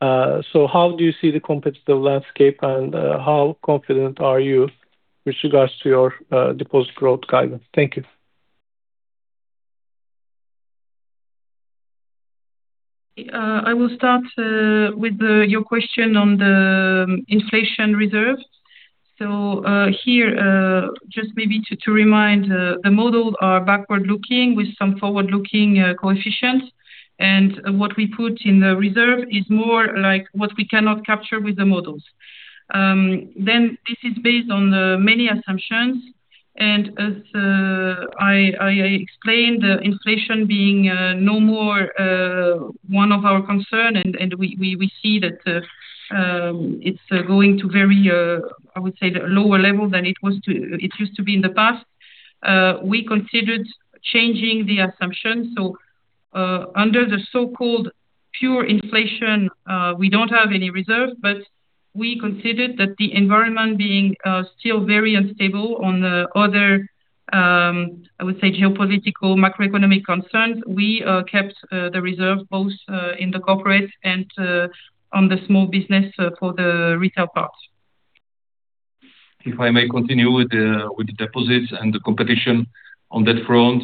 So how do you see the competitive landscape, and how confident are you with regards to your deposit growth guidance? Thank you. I will start with your question on the inflation reserve. So here, just maybe to remind, the models are backward-looking with some forward-looking coefficients. And what we put in the reserve is more like what we cannot capture with the models. Then this is based on many assumptions. And as I explained, inflation being no more one of our concerns, and we see that it's going to very, I would say, lower level than it used to be in the past, we considered changing the assumption. So under the so-called pure inflation, we don't have any reserve, but we considered that the environment being still very unstable on the other, I would say, geopolitical, macroeconomic concerns, we kept the reserve both in the corporate and on the small business for the retail part. If I may continue with the deposits and the competition on that front,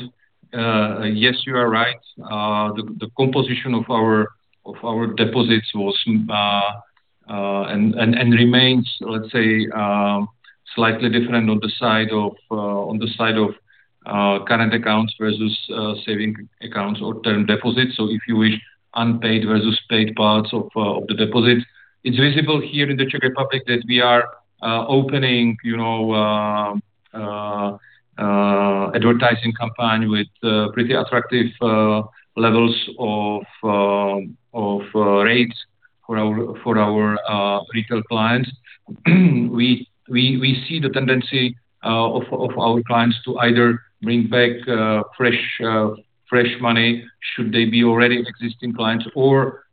yes, you are right. The composition of our deposits was and remains, let's say, slightly different on the side of current accounts versus savings accounts or term deposits. So if you wish, unpaid versus paid parts of the deposits. It's visible here in the Czech Republic that we are opening advertising campaign with pretty attractive levels of rates for our retail clients. We see the tendency of our clients to either bring back fresh money should they be already existing clients or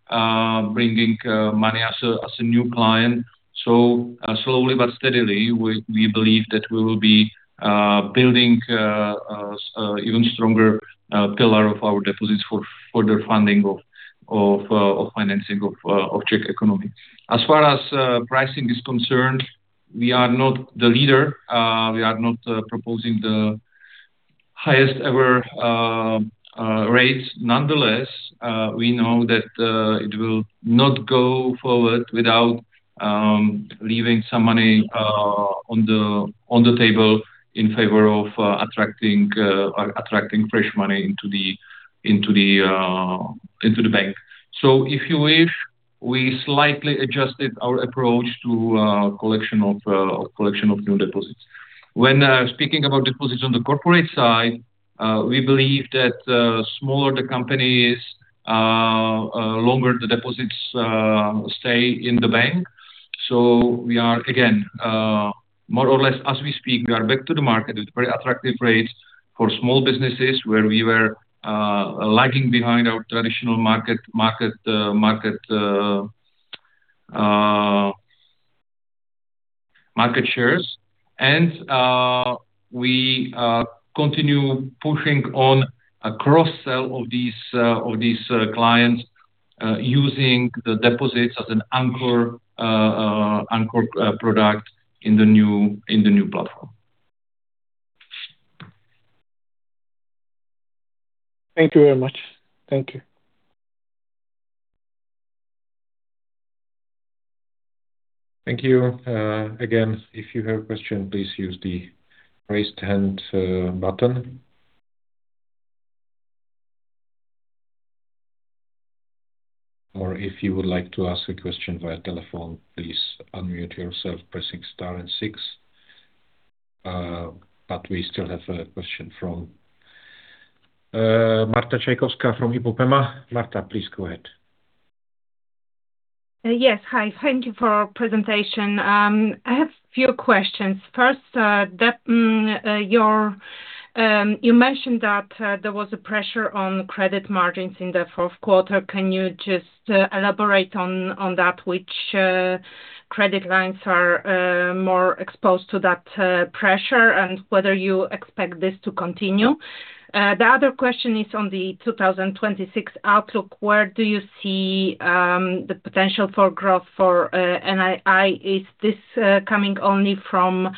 bringing money as a new client. So slowly but steadily, we believe that we will be building an even stronger pillar of our deposits for further funding of financing of Czech economy. As far as pricing is concerned, we are not the leader. We are not proposing the highest ever rates. Nonetheless, we know that it will not go forward without leaving some money on the table in favor of attracting fresh money into the bank. So if you wish, we slightly adjusted our approach to collection of new deposits. When speaking about deposits on the corporate side, we believe that the smaller the company is, longer the deposits stay in the bank. So we are, again, more or less, as we speak, we are back to the market with very attractive rates for small businesses where we were lagging behind our traditional market shares. And we continue pushing on a cross-sell of these clients using the deposits as an anchor product in the new platform. Thank you very much. Thank you. Thank you. Again, if you have a question, please use the raised hand button. Or if you would like to ask a question via telephone, please unmute yourself pressing star and six. But we still have a question from Marta Czajkowska from IPOPEMA. Marta, please go ahead. Yes. Hi. Thank you for your presentation. I have a few questions. First, you mentioned that there was a pressure on credit margins in the Q4. Can you just elaborate on that, which credit lines are more exposed to that pressure and whether you expect this to continue? The other question is on the 2026 outlook. Where do you see the potential for growth for NII? Is this coming only from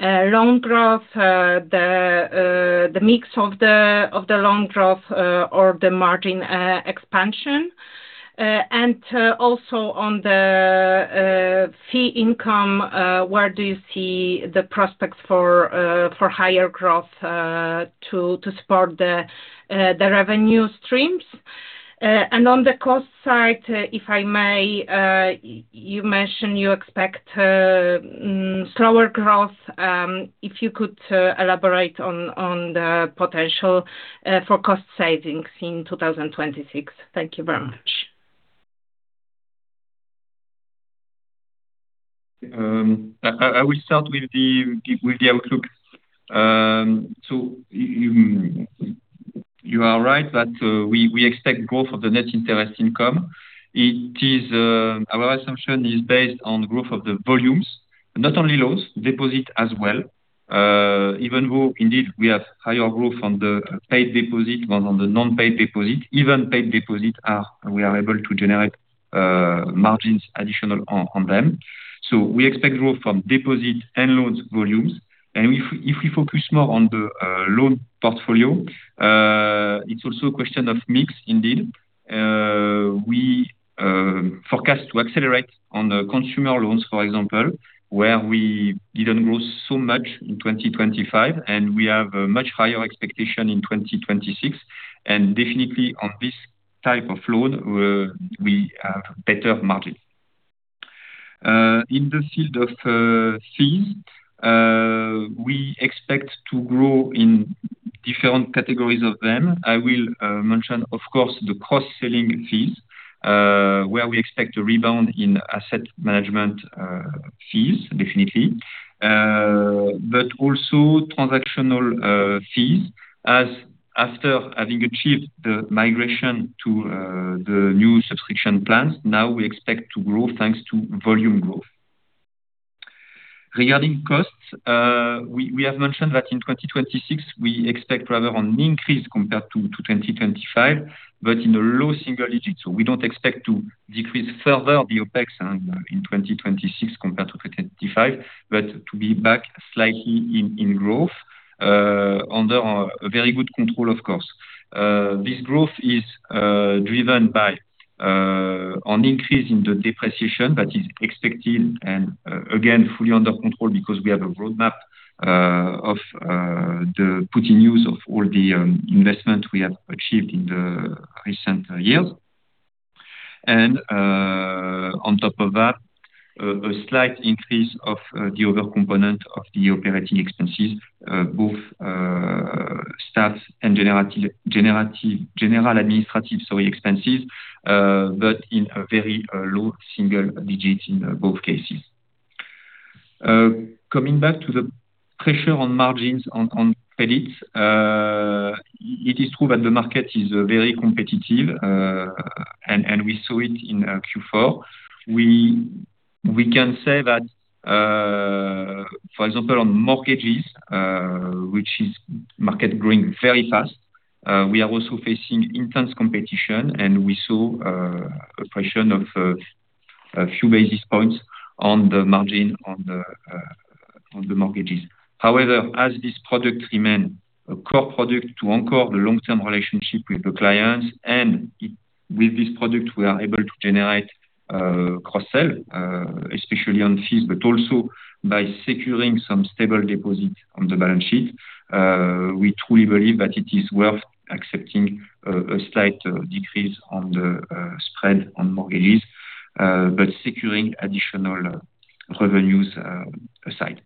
loan growth, the mix of the loan growth, or the margin expansion? And also on the fee income, where do you see the prospects for higher growth to support the revenue streams? And on the cost side, if I may, you mentioned you expect slower growth. If you could elaborate on the potential for cost savings in 2026? Thank you very much. I will start with the outlook. So you are right that we expect growth of the net interest income. Our assumption is based on growth of the volumes, not only loans, deposit as well. Even though, indeed, we have higher growth on the paid deposit than on the non-paid deposit, even paid deposit, we are able to generate margins additional on them. So we expect growth from deposit and loans volumes. And if we focus more on the loan portfolio, it's also a question of mix, indeed. We forecast to accelerate on consumer loans, for example, where we didn't grow so much in 2025, and we have a much higher expectation in 2026. And definitely, on this type of loan, we have better margins. In the field of fees, we expect to grow in different categories of them. I will mention, of course, the cross-selling fees where we expect a rebound in asset management fees, definitely, but also transactional fees as after having achieved the migration to the new subscription plans, now we expect to grow thanks to volume growth. Regarding costs, we have mentioned that in 2026, we expect rather an increase compared to 2025, but in a low single digit. So we don't expect to decrease further the OpEx in 2026 compared to 2025, but to be back slightly in growth under very good control, of course. This growth is driven by an increase in the depreciation that is expected and, again, fully under control because we have a roadmap of the put in use of all the investment we have achieved in the recent years. On top of that, a slight increase of the other component of the operating expenses, both staff and general administrative, sorry, expenses, but in a very low single digit in both cases. Coming back to the pressure on margins, on credits, it is true that the market is very competitive, and we saw it in Q4. We can say that, for example, on mortgages, which is a market growing very fast, we are also facing intense competition, and we saw a pressure of a few basis points on the margin on the mortgages. However, as this product remains a core product to anchor the long-term relationship with the clients, and with this product, we are able to generate cross-sell, especially on fees, but also by securing some stable deposit on the balance sheet, we truly believe that it is worth accepting a slight decrease on the spread on mortgages, but securing additional revenues aside.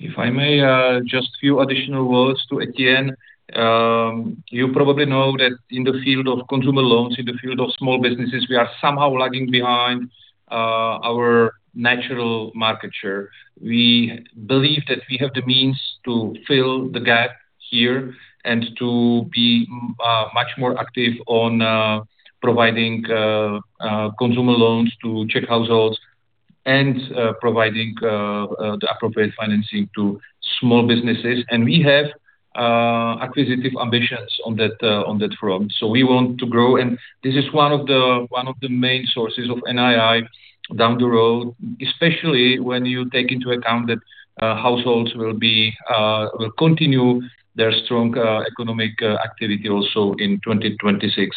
If I may, just a few additional words to Etienne. You probably know that in the field of consumer loans, in the field of small businesses, we are somehow lagging behind our natural market share. We believe that we have the means to fill the gap here and to be much more active on providing consumer loans to Czech households and providing the appropriate financing to small businesses. We have acquisitive ambitions on that front. We want to grow. This is one of the main sources of NII down the road, especially when you take into account that households will continue their strong economic activity also in 2026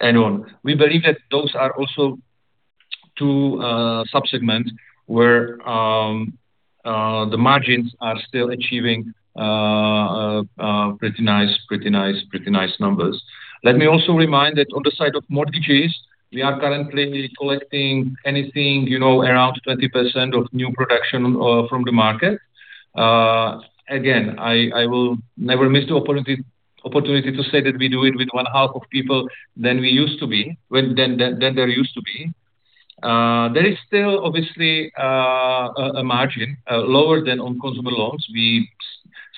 and on. We believe that those are also two subsegments where the margins are still achieving pretty nice, pretty nice, pretty nice numbers. Let me also remind that on the side of mortgages, we are currently collecting anything around 20% of new production from the market. Again, I will never miss the opportunity to say that we do it with one half of people than we used to be, than there used to be. There is still, obviously, a margin lower than on consumer loans. We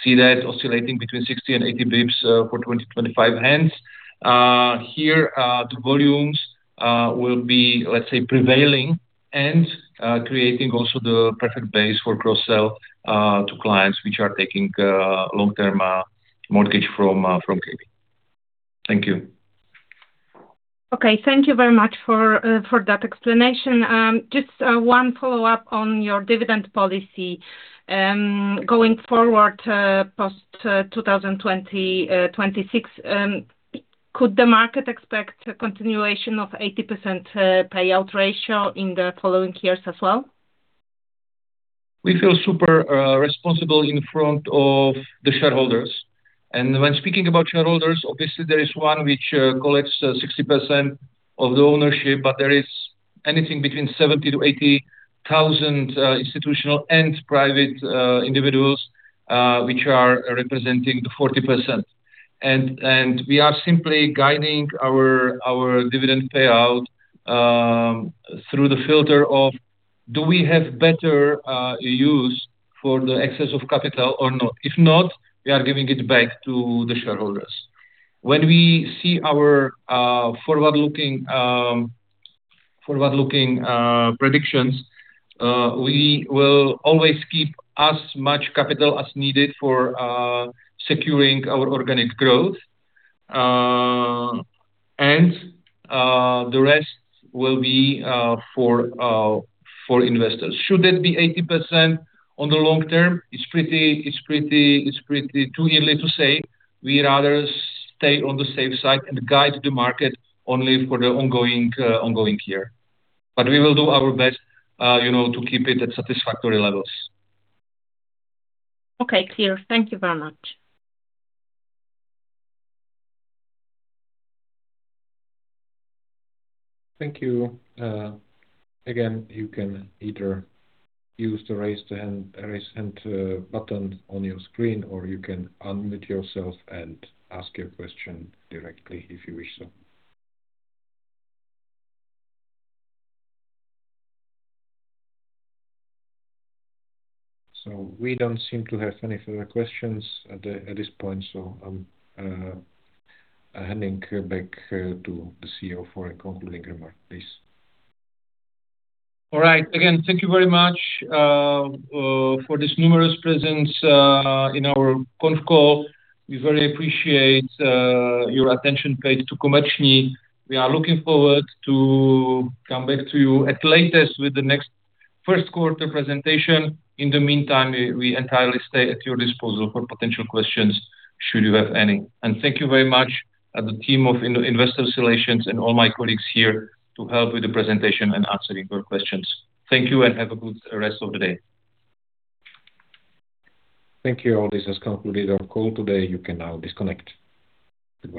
see that oscillating between 60-80 bps for 2025. Hence, here, the volumes will be, let's say, prevailing and creating also the perfect base for cross-sell to clients which are taking long-term mortgage from KB. Thank you. Okay. Thank you very much for that explanation. Just one follow-up on your dividend policy. Going forward post-2026, could the market expect a continuation of 80% payout ratio in the following years as well? We feel super responsible in front of the shareholders. When speaking about shareholders, obviously, there is one which collects 60% of the ownership, but there is anything between 70-80 thousand institutional and private individuals which are representing the 40%. We are simply guiding our dividend payout through the filter of, do we have better use for the excess of capital or not? If not, we are giving it back to the shareholders. When we see our forward-looking predictions, we will always keep as much capital as needed for securing our organic growth, and the rest will be for investors. Should that be 80% on the long term, it's pretty too early to say. We rather stay on the safe side and guide the market only for the ongoing year. We will do our best to keep it at satisfactory levels. Okay. Clear. Thank you very much. Thank you. Again, you can either use the raised hand button on your screen, or you can unmute yourself and ask your question directly if you wish so. So we don't seem to have any further questions at this point. So I'm handing back to the CEO for a concluding remark, please. All right. Again, thank you very much for this numerous presence in our conf call. We very appreciate your attention paid to Komerční. We are looking forward to coming back to you at the latest with the next Q1 presentation. In the meantime, we entirely stay at your disposal for potential questions should you have any. And thank you very much to the team of investor relations and all my colleagues here to help with the presentation and answering your questions. Thank you and have a good rest of the day. Thank you. All this has concluded our call today. You can now disconnect.